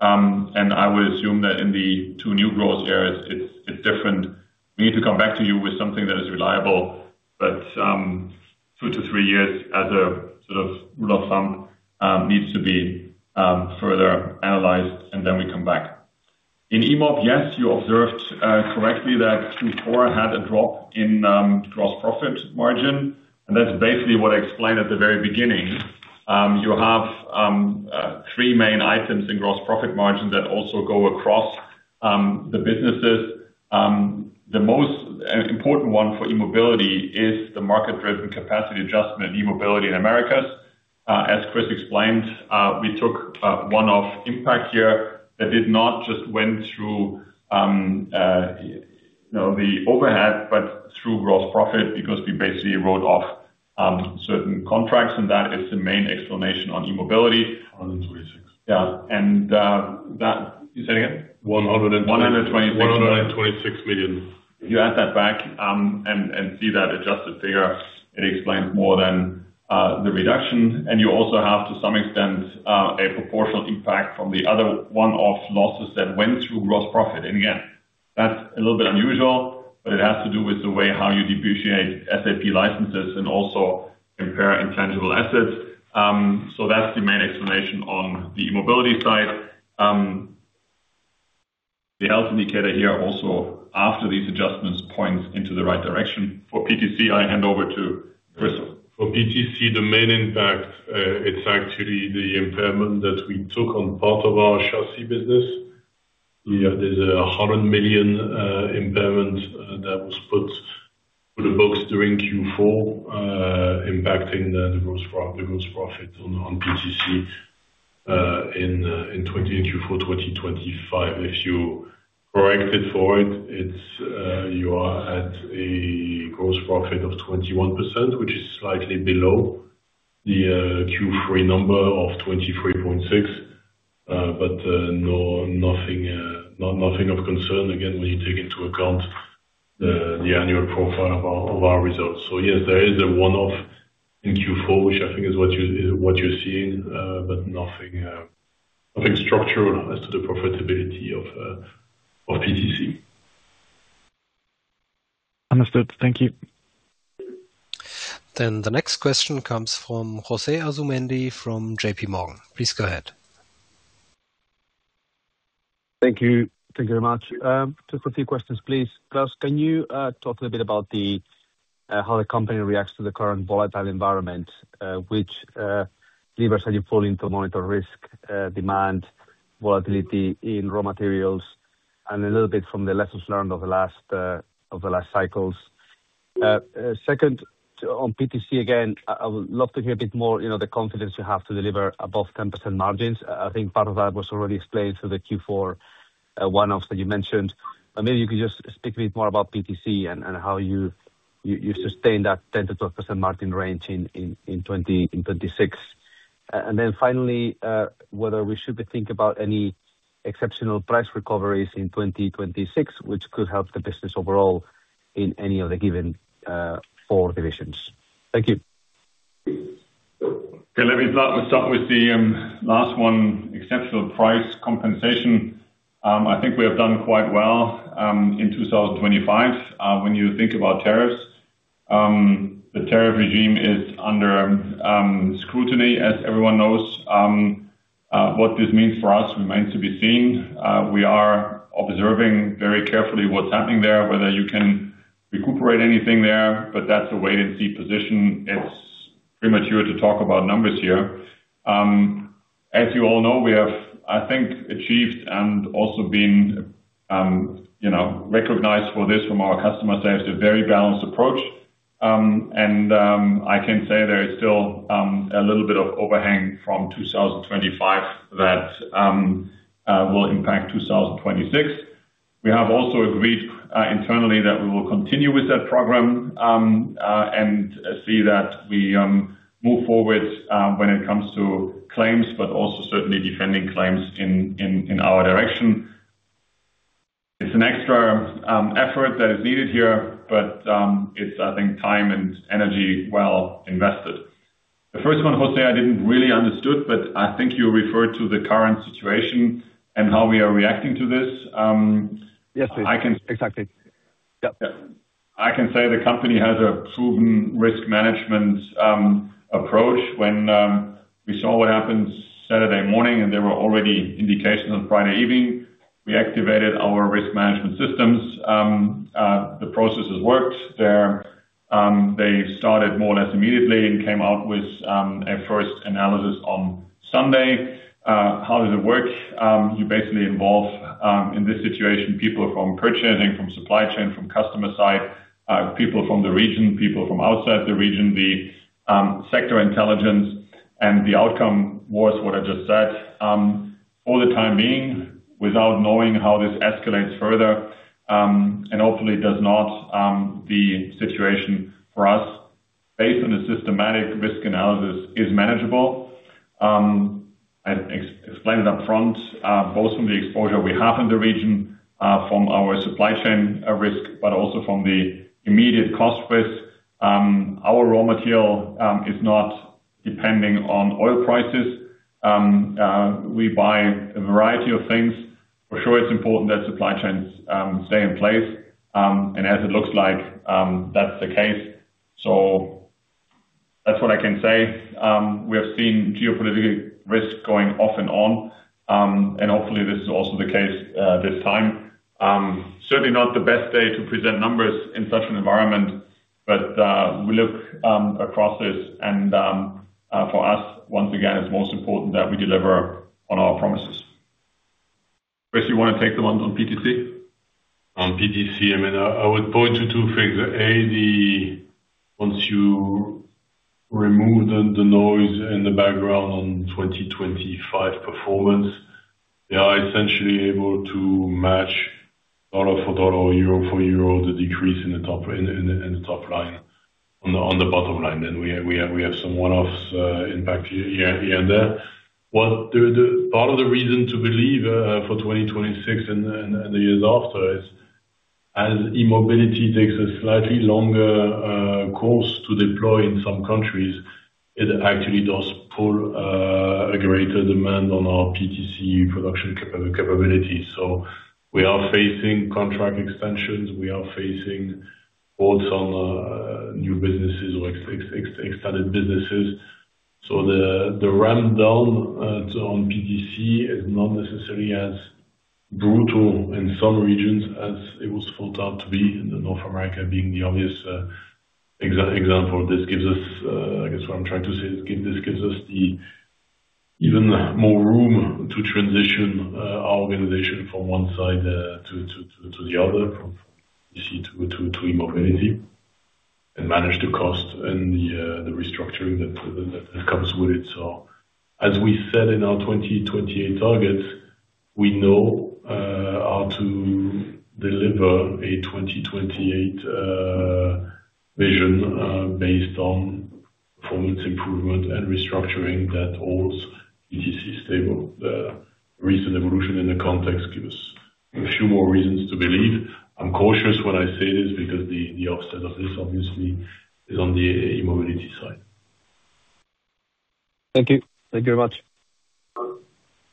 I would assume that in the two new growth areas it's different. We need to come back to you with something that is reliable, but two to three years as a sort of rule of thumb needs to be further analyzed and then we come back. In E-Mobility, yes, you observed correctly that Q4 had a drop in gross profit margin, and that's basically what I explained at the very beginning. You have three main items in gross profit margin that also go across the businesses. The most important one for E-Mobility is the market-driven capacity adjustment, E-Mobility in Americas. As Chris explained, we took one-off impact here that did not just went through, you know, the overhead, but through gross profit because we basically wrote off certain contracts, that is the main explanation on E-Mobility. 126million. Yeah. Say it again. 126 million. You add that back, and see that adjusted figure. It explains more than the reduction. You also have to some extent a proportional impact from the other one-off losses that went through gross profit. Again, that's a little bit unusual, but it has to do with the way how you depreciate SAP licenses and also compare intangible assets. That's the main explanation on the E-Mobility side. The health indicator here also after these adjustments points into the right direction. For PTC, I hand over to Chris. For PTC, the main impact, it's actually the impairment that we took on part of our chassis business. Yeah, there's a 100 million impairment that was put for the books during Q4, impacting the gross profit on PTC in Q4 2025. If you correct it for it's, you are at a gross profit of 21%, which is slightly below the Q3 number of 23.6%. Nothing of concern again, when you take into account the annual profile of our results. Yes, there is a one-off in Q4, which I think is what you, what you're seeing, but nothing structural as to the profitability of PTC. Understood. Thank you. The next question comes from José Asumendi from JPMorgan Chase & Co. Please go ahead. Thank you. Thank you very much. Just a few questions, please. Klaus, can you talk a little bit about the how the company reacts to the current volatile environment, which levers are you pulling to monitor risk, demand, volatility in raw materials, and a little bit from the lessons learned over the last over the last cycles? Second, on PTC again, I would love to hear a bit more, you know, the confidence you have to deliver above 10% margins. I think part of that was already explained, so the Q4 one-offs that you mentioned. Maybe you could just speak a bit more about PTC and how you sustain that 10%-12% margin range in 2026? Then finally, whether we should be think about any exceptional price recoveries in 2026, which could help the business overall in any of the given four divisions. Thank you. Okay. Let's start with the last one, exceptional price compensation. I think we have done quite well in 2025 when you think about tariffs. The tariff regime is under scrutiny as everyone knows. What this means for us remains to be seen. We are observing very carefully what's happening there, whether you can recuperate anything there, but that's a wait and see position. It's premature to talk about numbers here. As you all know, we have, I think, achieved and also been, you know, recognized for this from our customers. There's a very balanced approach. I can say there is still a little bit of overhang from 2025 that will impact 2026. We have also agreed internally that we will continue with that program, and see that we move forward when it comes to claims, but also certainly defending claims in our direction. It's an extra effort that is needed here, but it's, I think, time and energy well invested. The first one, José, I didn't really understood, but I think you referred to the current situation and how we are reacting to this. Yes, please. Exactly. Yep. I can say the company has a proven risk management approach. When we saw what happened Saturday morning, and there were already indications on Friday evening, we activated our risk management systems. The processes worked. They started more or less immediately and came out with a first analysis on Sunday. How does it work? You basically involve in this situation, people from purchasing, from supply chain, from customer side, people from the region, people from outside the region, the sector intelligence. The outcome was what I just said. For the time being, without knowing how this escalates further, and hopefully does not, the situation for us based on a systematic risk analysis is manageable. I explained it up front, both from the exposure we have in the region, from our supply chain risk, but also from the immediate cost risk. Our raw material is not depending on oil prices. We buy a variety of things. For sure it's important that supply chains stay in place, and as it looks like, that's the case. That's what I can say. We have seen geopolitical risk going off and on, and hopefully this is also the case this time. Certainly not the best day to present numbers in such an environment, but we look across this and for us once again, it's most important that we deliver on our promises. Chris, you wanna take the one on PTC? On PTC, I mean, I would point you to figure A. Once you remove the noise in the background on 2025 performance, they are essentially able to match dollar for dollar, euro for euro, the decrease in the top line on the bottom line. We have some one-offs impact here and there. Part of the reason to believe for 2026 and the years after is, as E-Mobility takes a slightly longer course to deploy in some countries, it actually does pull a greater demand on our PTC production capability. We are facing contract extensions, we are facing quotes on new businesses or extended businesses. The ramp down on PTC is not necessarily as brutal in some regions as it was thought out to be, in the North America being the obvious example. This gives us I guess what I'm trying to say is this gives us the even more room to transition our organization from one side to the other, from PTC to E-Mobility and manage the cost and the restructuring that comes with it. As we said in our 2028 targets, we know how to deliver a 2028 vision based on performance improvement and restructuring that holds PTC stable. The recent evolution in the context give us a few more reasons to believe. I'm cautious when I say this because the offset of this obviously is on the E-Mobility side. Thank you. Thank you very much.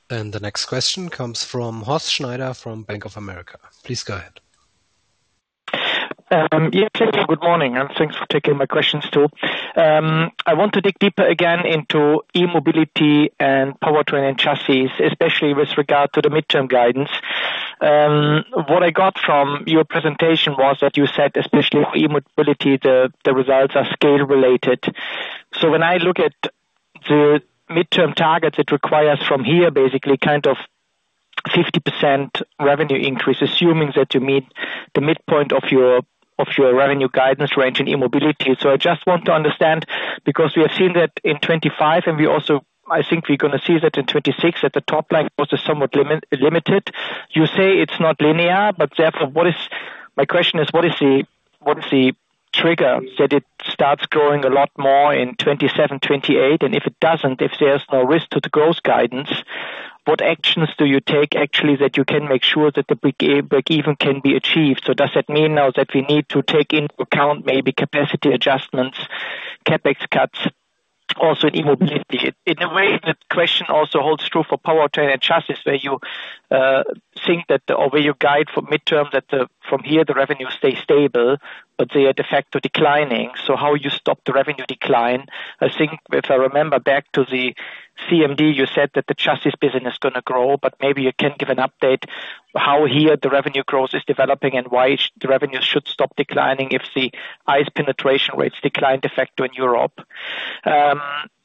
The next question comes from Horst Schneider from Bank of America. Please go ahead. Yeah. Thank you. Good morning, and thanks for taking my questions, too. I want to dig deeper again into E-Mobility and Powertrain & Chassis, especially with regard to the midterm guidance. What I got from your presentation was that you said especially for E-Mobility, the results are scale related. When I look at the midterm targets, it requires from here basically kind of 50% revenue increase, assuming that you meet the midpoint of your revenue guidance range in E-Mobility. I just want to understand, because we have seen that in 2025 and we also, I think we're gonna see that in 2026, that the top line was somewhat limited. You say it's not linear, but therefore My question is, what is the trigger that it starts growing a lot more in 2027, 2028? If it doesn't, if there's no risk to the growth guidance, what actions do you take actually that you can make sure that the break even can be achieved? Does that mean now that we need to take into account maybe capacity adjustments, CapEx cuts also in E-Mobility? In, in a way, the question also holds true for Powertrain & Chassis, where you think that or where you guide for midterm that from here the revenue stays stable, but they are de facto declining. How you stop the revenue decline? I think if I remember back to the CMD, you said that the chassis business is gonna grow, but maybe you can give an update how here the revenue growth is developing and why the revenues should stop declining if the ICE penetration rates decline de facto in Europe.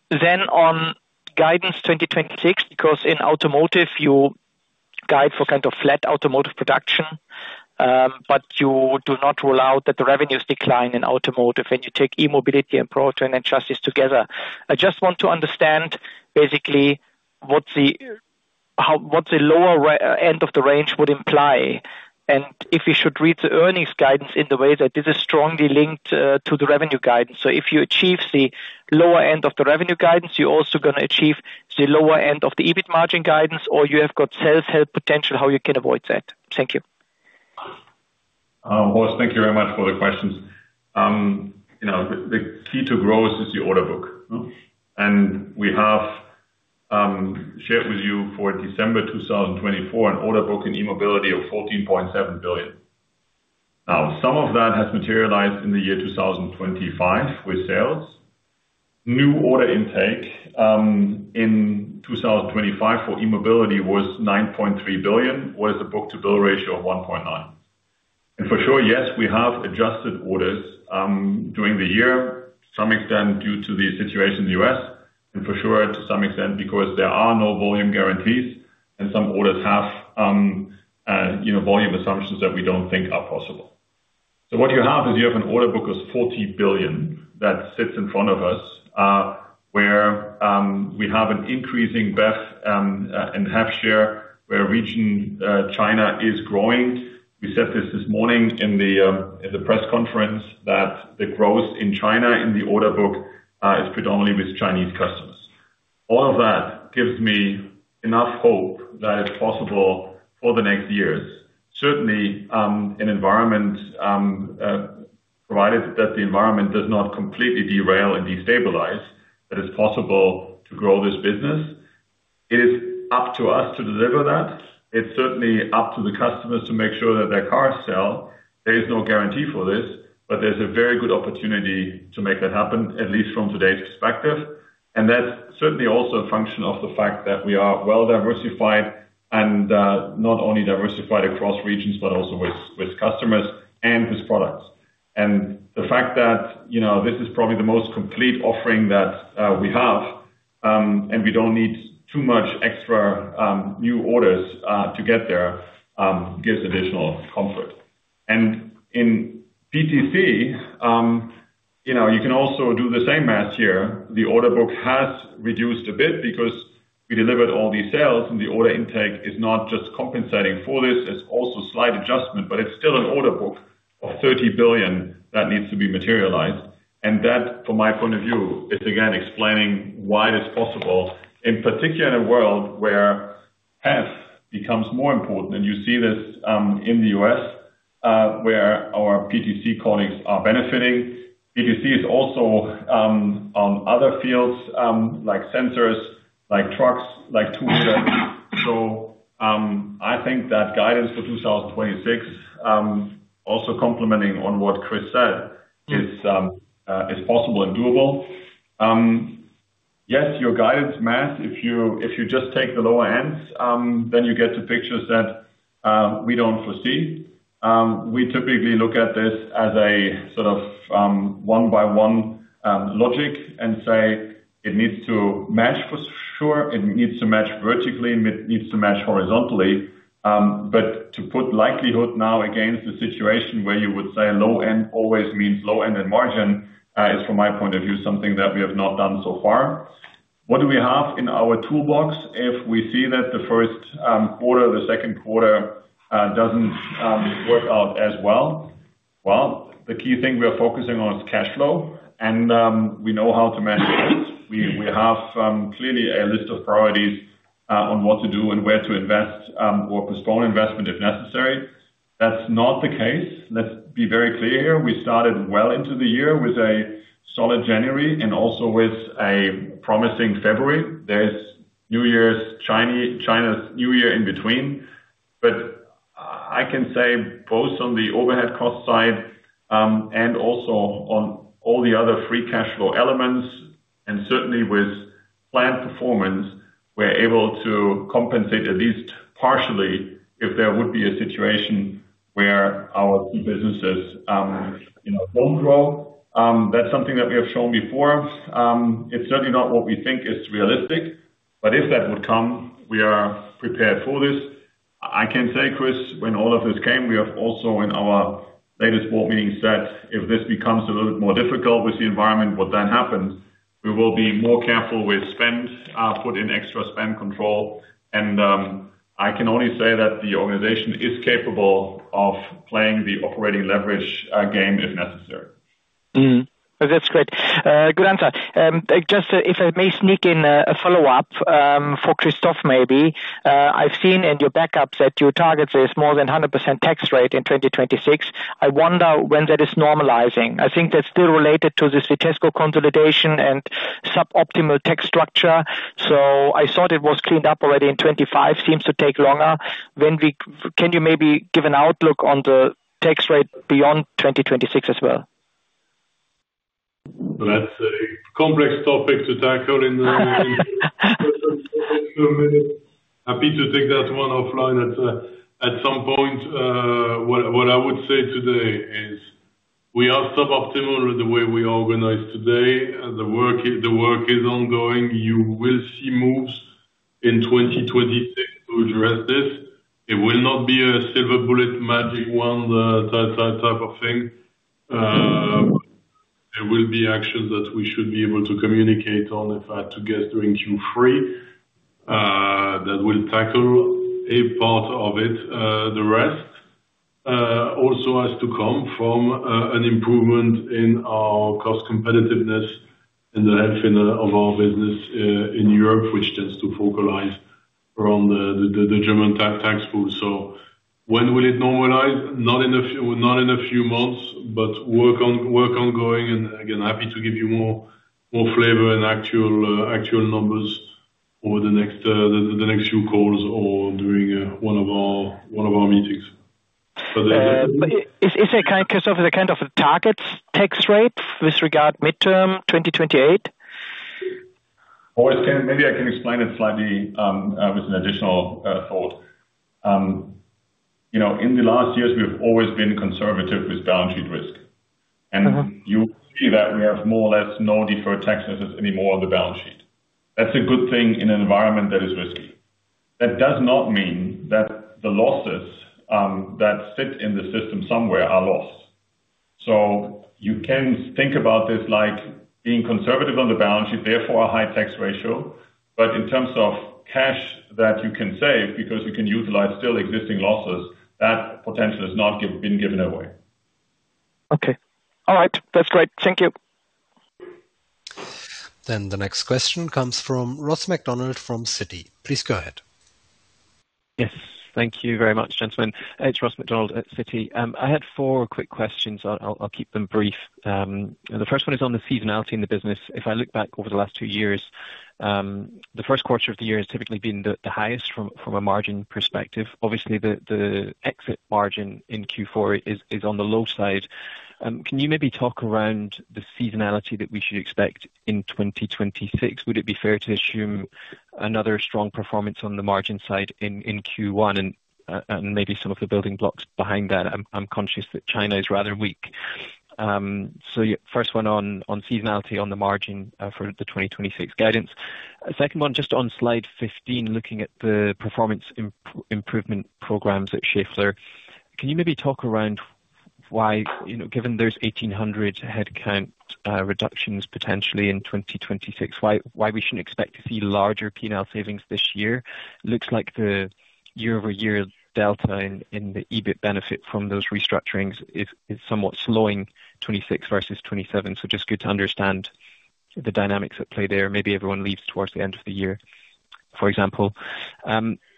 On guidance 2026, because in automotive you guide for kind of flat automotive production, you do not rule out that the revenues decline in automotive when you take E-Mobility and Powertrain & Chassis together. I just want to understand basically what the lower end of the range would imply and if we should read the earnings guidance in the way that this is strongly linked to the revenue guidance. If you achieve the lower end of the revenue guidance, you're also going to achieve the lower end of the EBIT margin guidance. You have got self-help potential how you can avoid that. Thank you. Horst, thank you very much for the questions. you know, the key to growth is the order book, no. We have shared with you for December 2024 an order book in E-Mobility of 14.7 billion. Some of that has materialized in the year 2025 with sales. New order intake in 2025 for E-Mobility was 9.3 billion, with a book-to-bill ratio of 1.9x. Yes, we have adjusted orders during the year to some extent due to the situation in the U.S., and for sure to some extent because there are no volume guarantees and some orders have, you know, volume assumptions that we don't think are possible. What you have is you have an order book of 40 billion that sits in front of us, where we have an increasing breadth and half share where region China is growing. We said this this morning in the press conference that the growth in China in the order book is predominantly with Chinese customers. All of that gives me enough hope that it's possible for the next years. Certainly, an environment, provided that the environment does not completely derail and destabilize, that it's possible to grow this business. It is up to us to deliver that. It's certainly up to the customers to make sure that their cars sell. There is no guarantee for this, but there's a very good opportunity to make that happen, at least from today's perspective. That's certainly also a function of the fact that we are well-diversified and not only diversified across regions, but also with customers and with products. The fact that, you know, this is probably the most complete offering that we have, and we don't need too much extra new orders to get there, gives additional comfort. In PTC, you know, you can also do the same math here. The order book has reduced a bit because we delivered all these sales, and the order intake is not just compensating for this, it's also slight adjustment, but it's still an order book of 30 billion that needs to be materialized. That, from my point of view, is again explaining why it is possible, in particular in a world where HEV becomes more important. You see this in the U.S., where our PTC colleagues are benefiting. PTC is also on other fields, like sensors, like trucks, like two-wheelers. I think that guidance for 2026, also complementing on what Chris said, is possible and doable. Yes, your guidance, math, if you just take the lower ends, then you get to pictures that we don't foresee. We typically look at this as a sort of, one by one, logic and say it needs to match for sure. It needs to match vertically, it needs to match horizontally. To put likelihood now against a situation where you would say low end always means low end in margin, is from my point of view, something that we have not done so far. What do we have in our toolbox if we see that the first quarter or the second quarter doesn't work out as well? The key thing we are focusing on is cash flow and we know how to manage it. We have clearly a list of priorities on what to do and where to invest or postpone investment if necessary. That's not the case. Let's be very clear here. We started well into the year with a solid January and also with a promising February. There's New Year's, China's New Year in between. I can say both on the overhead cost side, and also on all the other free cash flow elements, and certainly with plant performance, we're able to compensate at least partially if there would be a situation where our key businesses, you know, don't grow. That's something that we have shown before. It's certainly not what we think is realistic, but if that would come, we are prepared for this. I can tell you, Chris, when all of this came, we have also in our latest board meeting said if this becomes a little bit more difficult with the environment, what then happens? We will be more careful with spend, put in extra spend control. I can only say that the organization is capable of playing the operating leverage game, if necessary. That's great. Good answer. Just if I may sneak in a follow-up for Christophe maybe. I've seen in your backups that your target is more than 100% tax rate in 2026. I wonder when that is normalizing. I think that's still related to this Vitesco consolidation and suboptimal tax structure. I thought it was cleaned up already in 2025, seems to take longer. Can you maybe give an outlook on the tax rate beyond 2026 as well? That's a complex topic to tackle in, happy to take that one offline at some point. What I would say today is we are suboptimal the way we organize today. The work is ongoing. You will see moves in 2026 to address this. It will not be a silver bullet, magic wand, type of thing. There will be actions that we should be able to communicate on, if I had to guess, during Q3, that will tackle a part of it. The rest also has to come from an improvement in our cost competitiveness in the health center of our business in Europe, which tends to focalize around the German tax pool. So when will it normalize? Not in a few months, but work ongoing. Again, happy to give you more, more flavor and actual numbers over the next few calls or during one of our meetings. Is there, Christophe, is there kind of a target tax rate with regard midterm 2028? Always. Maybe I can explain it slightly with an additional thought. You know, in the last years we have always been conservative with balance sheet risk. You see that we have more or less no deferred tax assets anymore on the balance sheet. That's a good thing in an environment that is risky. That does not mean that the losses that sit in the system somewhere are lost. You can think about this like being conservative on the balance sheet, therefore a high tax ratio. In terms of cash that you can save because you can utilize still existing losses, that potential has not been given away. Okay. All right. That's great. Thank you. The next question comes from Ross MacDonald from Citi. Please go ahead. Yes, thank you very much, gentlemen. It's Ross MacDonald at Citi. I had four quick questions. I'll keep them brief. The first one is on the seasonality in the business. If I look back over the last two years, the first quarter of the year has typically been the highest from a margin perspective. Obviously, the exit margin in Q4 is on the low side. Can you maybe talk around the seasonality that we should expect in 2026? Would it be fair to assume another strong performance on the margin side in Q1 and maybe some of the building blocks behind that? I'm conscious that China is rather weak. First one on seasonality on the margin for the 2026 guidance. Second one, just on slide 15, looking at the performance improvement programs at Schaeffler. Can you maybe talk around why, you know, given there's 1,800 headcount reductions potentially in 2026, why we shouldn't expect to see larger P&L savings this year? Looks like the year-over-year delta in the EBIT benefit from those restructurings is somewhat slowing 2026 versus 2027. Just good to understand the dynamics at play there. Maybe everyone leaves towards the end of the year, for example.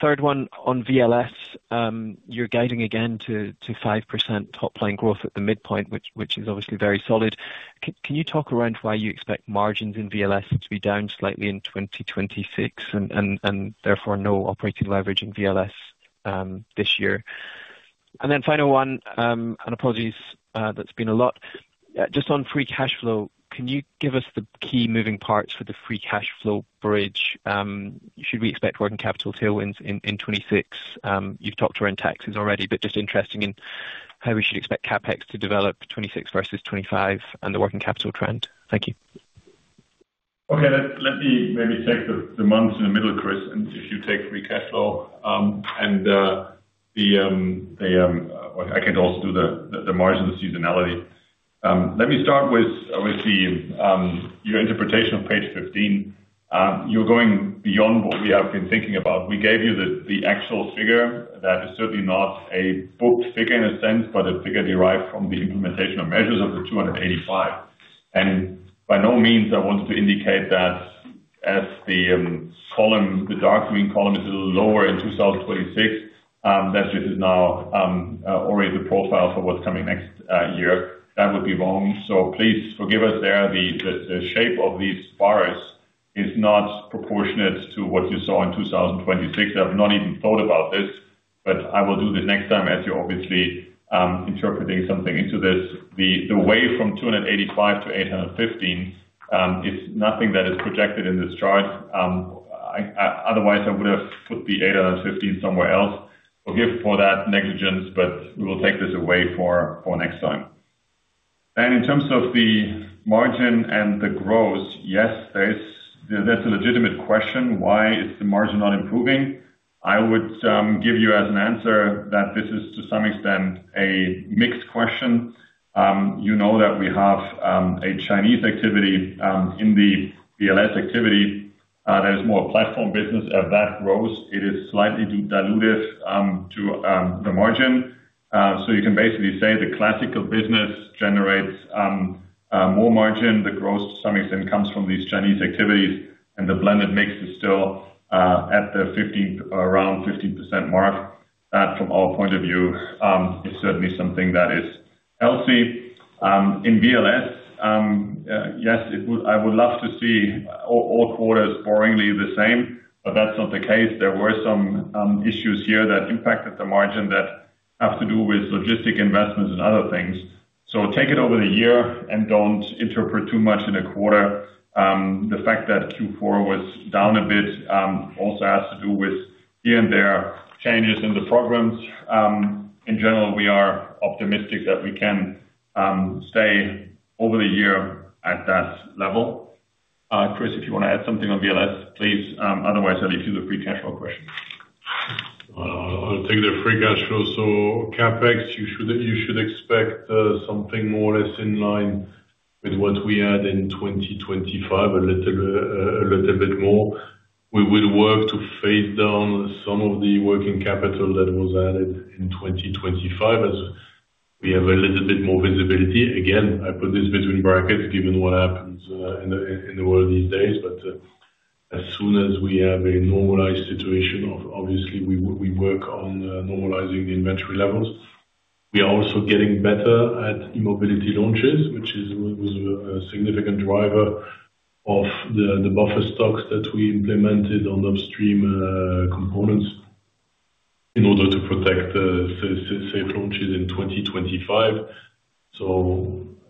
Third one on VLS. You're guiding again to 5% top line growth at the midpoint, which is obviously very solid. Can you talk around why you expect margins in VLS to be down slightly in 2026 and therefore no operating leverage in VLS this year? Final one, apologies, that's been a lot. Just on free cash flow, can you give us the key moving parts for the free cash flow bridge? Should we expect working capital tailwinds in 2026? You've talked around taxes already, but just interested in how we should expect CapEx to develop 2026 versus 2025 and the working capital trend. Thank you. Okay. Let me maybe take the ones in the middle, Chris, and if you take free cash flow. Well, I can also do the margin seasonality. Let me start with the your interpretation of page 15. You're going beyond what we have been thinking about. We gave you the actual figure. That is certainly not a book figure in a sense, but a figure derived from the implementation of measures of the 285 million. By no means I want to indicate that as the column, the dark green column is a little lower in 2026, that just is now already the profile for what's coming next year. That would be wrong. Please forgive us there. The shape of these bars is not proportionate to what you saw in 2026. I've not even thought about this, but I will do that next time as you're obviously interpreting something into this. The way from 285 million to 815 million is nothing that is projected in this chart. I otherwise I would've put the 815 million somewhere else. Forgive for that negligence, but we will take this away for next time. In terms of the margin and the growth, yes, there's a legitimate question, why is the margin not improving? I would give you as an answer that this is to some extent a mixed question. You know that we have a Chinese activity in the VLS activity. There is more platform business. As that grows, it is slightly dilutive to the margin. You can basically say the classical business generates more margin. The growth to some extent comes from these Chinese activities and the blended mix is still at the around 50% mark. That, from our point of view, is certainly something that is healthy. In VLS, yes, I would love to see all quarters boringly the same, but that's not the case. There were some issues here that impacted the margin that have to do with logistic investments and other things. Take it over the year and don't interpret too much in a quarter. The fact that Q4 was down a bit also has to do with here and there changes in the programs. In general, we are optimistic that we can stay over the year at that level. Chris, if you wanna add something on VLS, please. Otherwise, I'll leave you the free cash flow question. I'll take the free cash flow. CapEx, you should expect something more or less in line with what we had in 2025, a little bit more. We will work to phase down some of the working capital that was added in 2025 as we have a little bit more visibility. Again, I put this between brackets given what happens in the world these days. As soon as we have a normalized situation, obviously we work on normalizing the inventory levels. We are also getting better at mobility launches, which was a significant driver of the buffer stocks that we implemented on upstream components in order to protect the safe launches in 2025.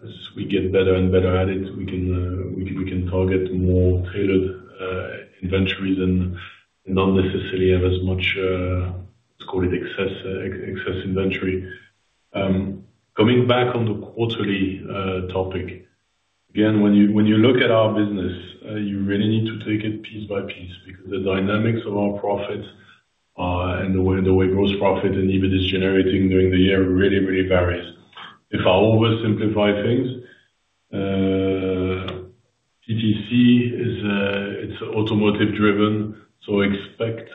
As we get better and better at it, we can target more tailored inventories and not necessarily have as much. Let's call it excess inventory. Coming back on the quarterly topic. When you look at our business, you really need to take it piece by piece because the dynamics of our profits and the way gross profit and EBIT is generating during the year really varies. If I oversimplify things, TTC is automotive driven, expect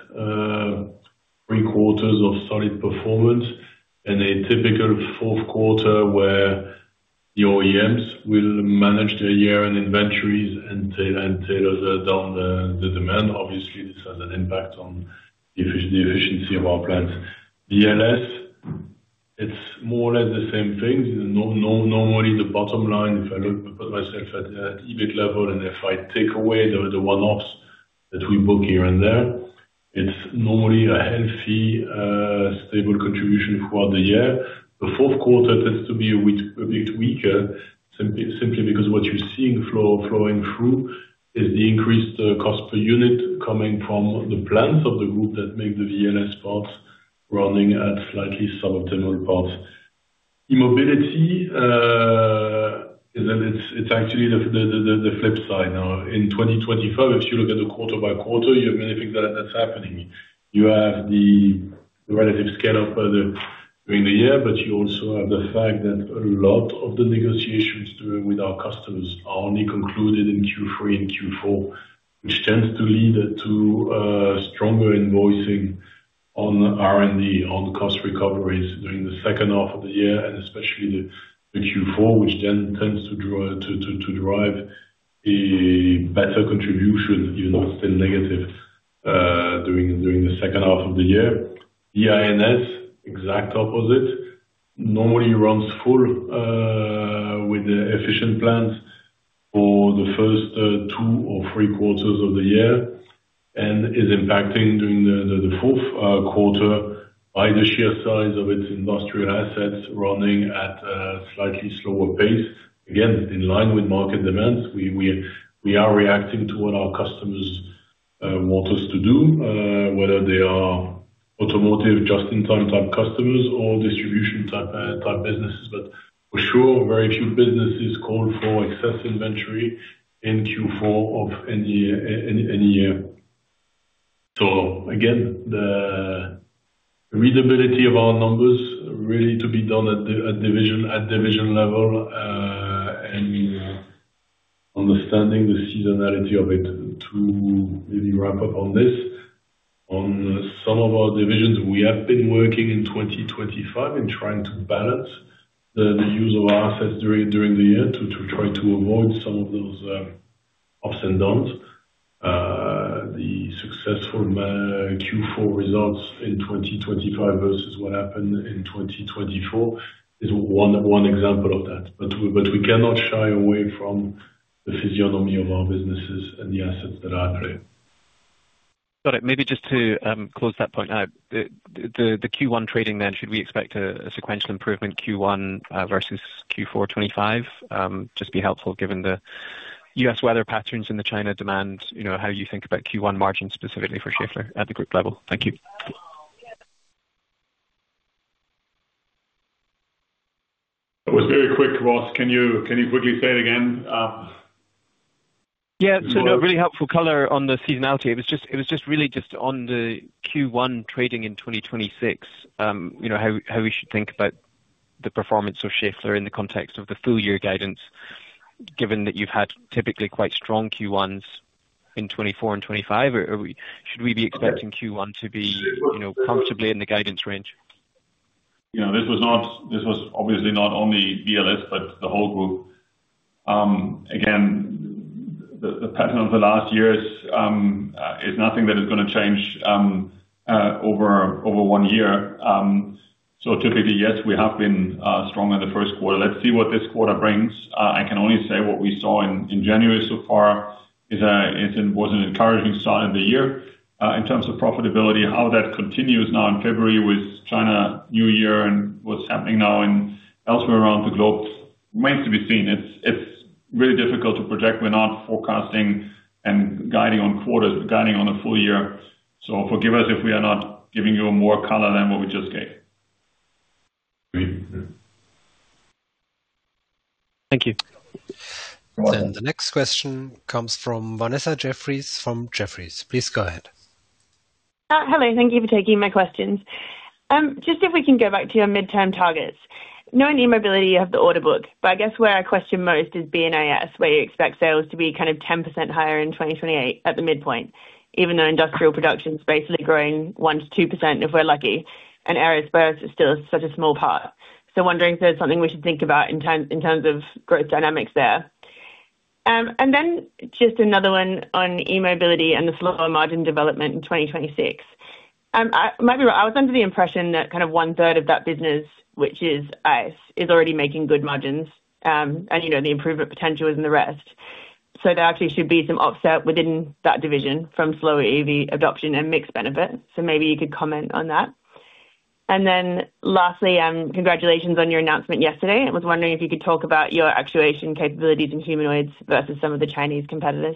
three quarters of solid performance and a typical fourth quarter where your OEMs will manage their year-end inventories and tailor down the demand. Obviously, this has an impact on the efficiency of our plants. VLS, it's more or less the same thing. Normally the bottom line, if I look, put myself at EBIT level, if I take away the one-offs that we book here and there, it's normally a healthy, stable contribution throughout the year. The fourth quarter tends to be a bit weaker simply because what you're seeing flowing through is the increased cost per unit coming from the plants of the group that make the VLS parts running at slightly sub-optimal parts. E-Mobility is that it's actually the flip side. In 2025, if you look at the quarter by quarter, you have many things that's happening. You have the relative scale up of the during the year. You also have the fact that a lot of the negotiations during with our customers are only concluded in Q3 and Q4, which tends to lead to stronger invoicing on R&D, on cost recoveries during the second half of the year and especially the Q4, which then tends to drive a better contribution, even though it's still negative during the second half of the year. B&IS, exact opposite. Normally runs full with the efficient plants for the first two or three quarters of the year. Is impacting during the fourth quarter by the sheer size of its industrial assets running at a slightly slower pace. Again, in line with market demands, we are reacting to what our customers want us to do, whether they are automotive just-in-time type customers or distribution type businesses. For sure, very few businesses call for excess inventory in Q4 of any year, any year. Again, the readability of our numbers really to be done at division level, and understanding the seasonality of it to really wrap up on this. On some of our divisions, we have been working in 2025 in trying to balance the use of our assets during the year to try to avoid some of those ups and downs. The successful Q4 results in 2025 versus what happened in 2024 is one example of that. We cannot shy away from the physiognomy of our businesses and the assets that are there. Got it. Maybe just to close that point out. The Q1 trading then, should we expect a sequential improvement Q1 versus Q4 2025? Just be helpful given the U.S. weather patterns and the China demand, you know, how you think about Q1 margins specifically for Schaeffler at the group level. Thank you. That was very quick, Ross. Can you quickly say it again? Yeah, no, really helpful color on the seasonality. It was just really just on the Q1 trading in 2026, you know, how we should think about the performance of Schaeffler in the context of the full year guidance, given that you've had typically quite strong Q1s in 2024 and 2025. Or should we be expecting Q1 to be, you know, comfortably in the guidance range? You know, this was obviously not only VLS, but the whole group. Again, the pattern of the last years is nothing that is gonna change over one year. Typically, yes, we have been strong in the first quarter. Let's see what this quarter brings. I can only say what we saw in January so far is an encouraging start of the year. In terms of profitability, how that continues now in February with China New Year and what's happening now elsewhere around the globe remains to be seen. It's really difficult to project. We're not forecasting and guiding on quarters, guiding on a full year. Forgive us if we are not giving you more color than what we just gave. Thank you. You're welcome. The next question comes from Vanessa Jeffriess from Jefferies. Please go ahead. Hello. Thank you for taking my questions. If we can go back to your midterm targets. Knowing E-Mobility, you have the order book, I guess where I question most is B&IS, where you expect sales to be kind of 10% higher in 2028 at the midpoint, even though industrial production is basically growing 1%-2%, if we're lucky, and aerospace is still such a small part. Wondering if there's something we should think about in terms of growth dynamics there. Another one on E-Mobility and the slower margin development in 2026. Maybe I was under the impression that kind of one-third of that business, which is ICE, is already making good margins. You know, the improvement potential is in the rest. There actually should be some offset within that division from slower EV adoption and mixed benefit. Maybe you could comment on that. Lastly, congratulations on your announcement yesterday. I was wondering if you could talk about your actuation capabilities in humanoids versus some of the Chinese competitors.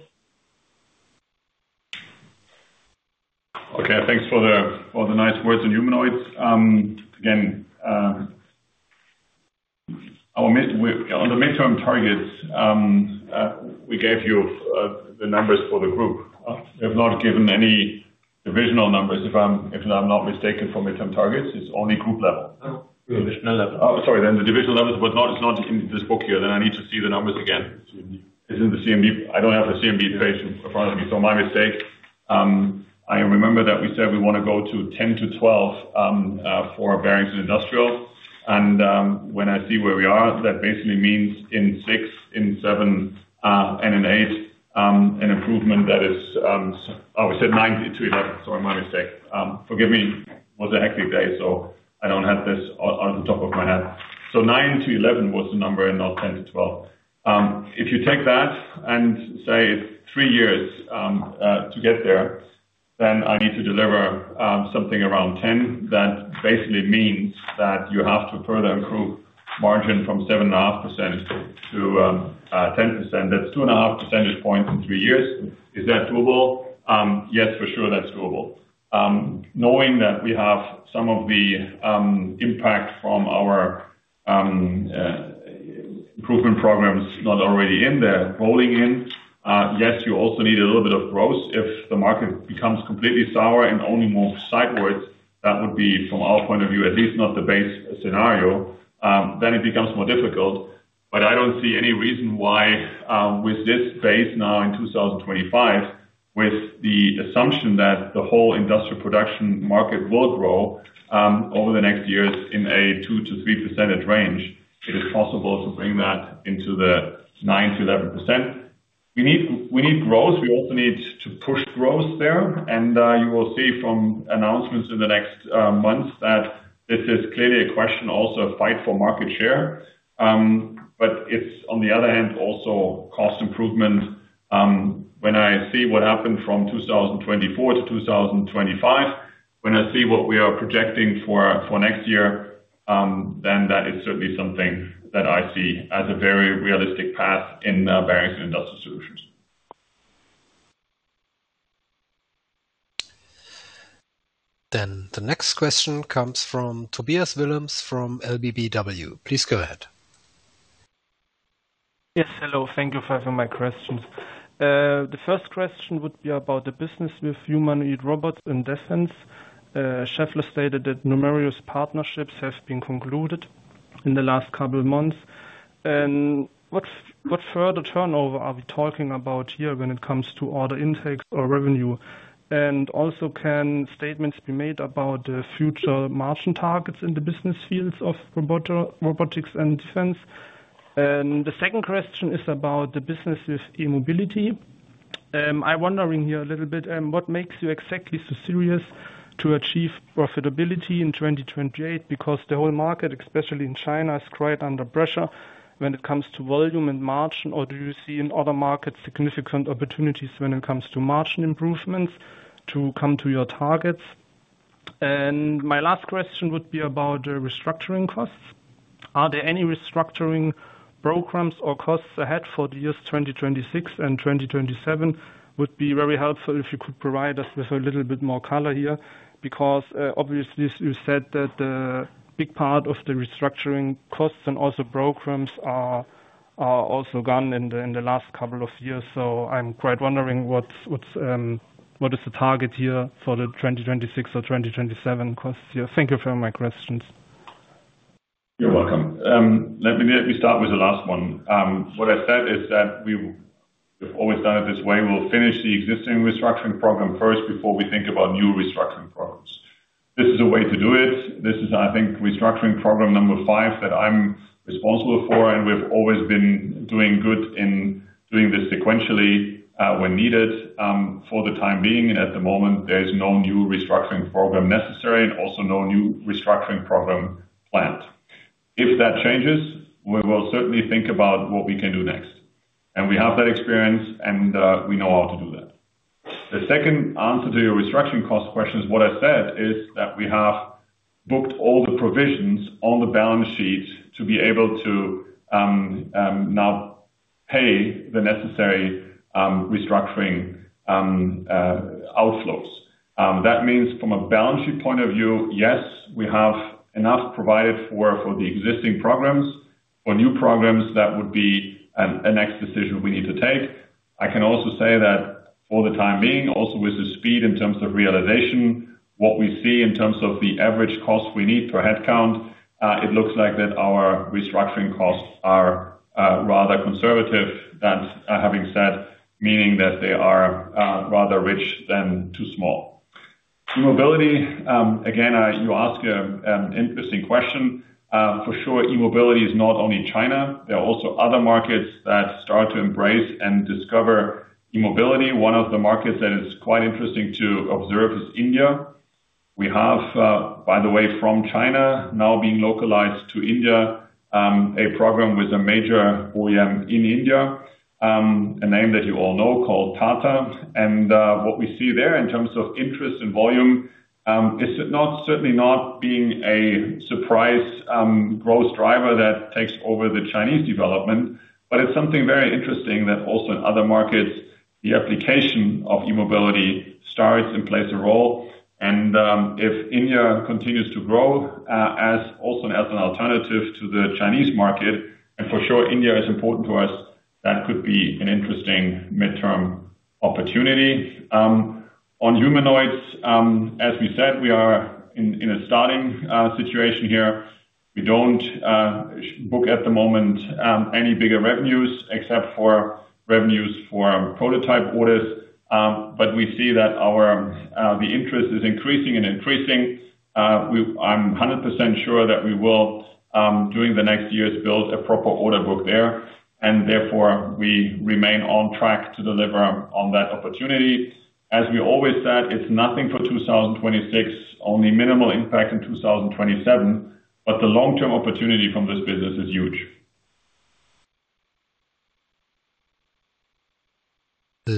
Okay, thanks for the nice words on humanoids. Again, on the midterm targets, we gave you the numbers for the group. We have not given any divisional numbers. If I'm not mistaken from midterm targets, it's only group level. Oh, sorry. The divisional levels, but not, it's not in this book here. I need to see the numbers again. This is the CMB. I don't have the CMB page in front of me, so my mistake. I remember that we said we wanna go to 10%-12% for bearings and industrial. When I see where we are, that basically means in 6%, in 7%, and in 8%, an improvement that is.. Oh, we said 9%-11%, so my mistake. Forgive me. It was a hectic day, so I don't have this on the top of my head. 9%-11% was the number, and not 10%-12%. If you take that and say three years to get there, then I need to deliver something around 10%. That basically means that you have to further improve margin from 7.5% to 10%. That's 2.5 percentage points in three years. Is that doable? Yes, for sure that's doable. Knowing that we have some of the impact from our improvement programs not already in there rolling in. Yes, you also need a little bit of growth. If the market becomes completely sour and only moves sideways, that would be, from our point of view, at least not the base scenario, then it becomes more difficult. I don't see any reason why, with this base now in 2025, with the assumption that the whole industrial production market will grow, over the next years in a 2%-3% range, it is possible to bring that into the 9%-11%. We need growth. We also need to push growth there. You will see from announcements in the next months that this is clearly a question also of fight for market share. It's on the other hand, also cost improvement. When I see what happened from 2024 to 2025, when I see what we are projecting for next year, then that is certainly something that I see as a very realistic path in Bearings & Industrial Solutions. The next question comes from Tobias Willems from LBBW. Please go ahead. Yes, hello. Thank you for having my questions. The first question would be about the business with humanoid robots in defense. Schaeffler stated that numerous partnerships have been concluded in the last couple of months. What's, what further turnover are we talking about here when it comes to order intakes or revenue? Also, can statements be made about the future margin targets in the business fields of robotics and defense? The second question is about the business with E-Mobility. I'm wondering here a little bit, what makes you exactly so serious to achieve profitability in 2028? Because the whole market, especially in China, is quite under pressure when it comes to volume and margin. Do you see in other markets significant opportunities when it comes to margin improvements to come to your targets? My last question would be about the restructuring costs. Are there any restructuring programs or costs ahead for the years 2026 and 2027? Would be very helpful if you could provide us with a little bit more color here, because obviously you said that the big part of the restructuring costs and also programs are also gone in the last couple of years. I'm quite wondering what is the target here for the 2026 or 2027 costs here. Thank you for my questions. You're welcome. Let me start with the last one. What I said is that we've always done it this way. We'll finish the existing restructuring program first before we think about new restructuring programs. This is a way to do it. This is, I think, restructuring program number five that I'm responsible for, and we've always been doing good in doing this sequentially, when needed. For the time being, at the moment, there is no new restructuring program necessary and also no new restructuring program planned. If that changes, we will certainly think about what we can do next. We have that experience and we know how to do that. The second answer to your restructuring cost question is what I said is that we have booked all the provisions on the balance sheet to be able to now pay the necessary restructuring outflows. That means from a balance sheet point of view, yes, we have enough provided for the existing programs. For new programs, that would be a next decision we need to take. I can also say that for the time being, also with the speed in terms of realization, what we see in terms of the average cost we need per headcount, it looks like that our restructuring costs are rather conservative. That having said, meaning that they are rather rich than too small. E-Mobility, again, you ask a interesting question. For sure, E-Mobility is not only China. There are also other markets that start to embrace and discover E-Mobility. One of the markets that is quite interesting to observe is India. We have, by the way, from China now being localized to India, a program with a major OEM in India, a name that you all know called Tata. What we see there in terms of interest and volume, is not, certainly not being a surprise, growth driver that takes over the Chinese development, but it's something very interesting that also in other markets. The application of E-Mobility starts and plays a role. If India continues to grow, as also as an alternative to the Chinese market, and for sure India is important to us, that could be an interesting midterm opportunity. On humanoids, as we said, we are in a starting, situation here. We don't book at the moment any bigger revenues except for revenues for prototype orders. We see that our the interest is increasing and increasing. I'm 100% sure that we will during the next years, build a proper order book there. Therefore we remain on track to deliver on that opportunity. As we always said, it's nothing for 2026, only minimal impact in 2027, but the long-term opportunity from this business is huge.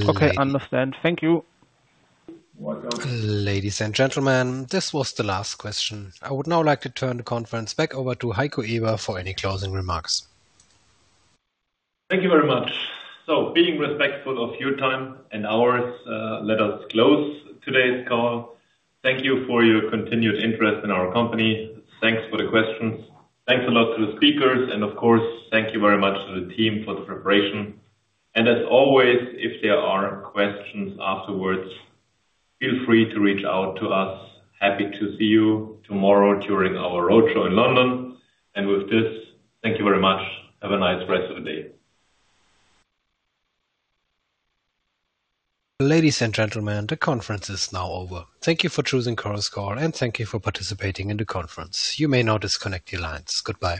Okay, understand. Thank you. Welcome. Ladies and gentlemen, this was the last question. I would now like to turn the conference back over to Heiko Eber for any closing remarks. Thank you very much. Being respectful of your time and ours, let us close today's call. Thank you for your continued interest in our company. Thanks for the questions. Thanks a lot to the speakers and of course, thank you very much to the team for the preparation. As always, if there are questions afterwards, feel free to reach out to us. Happy to see you tomorrow during our roadshow in London. With this, thank you very much. Have a nice rest of the day. Ladies and gentlemen, the conference is now over. Thank you for choosing Chorus Call, and thank you for participating in the conference. You may now disconnect your lines. Goodbye.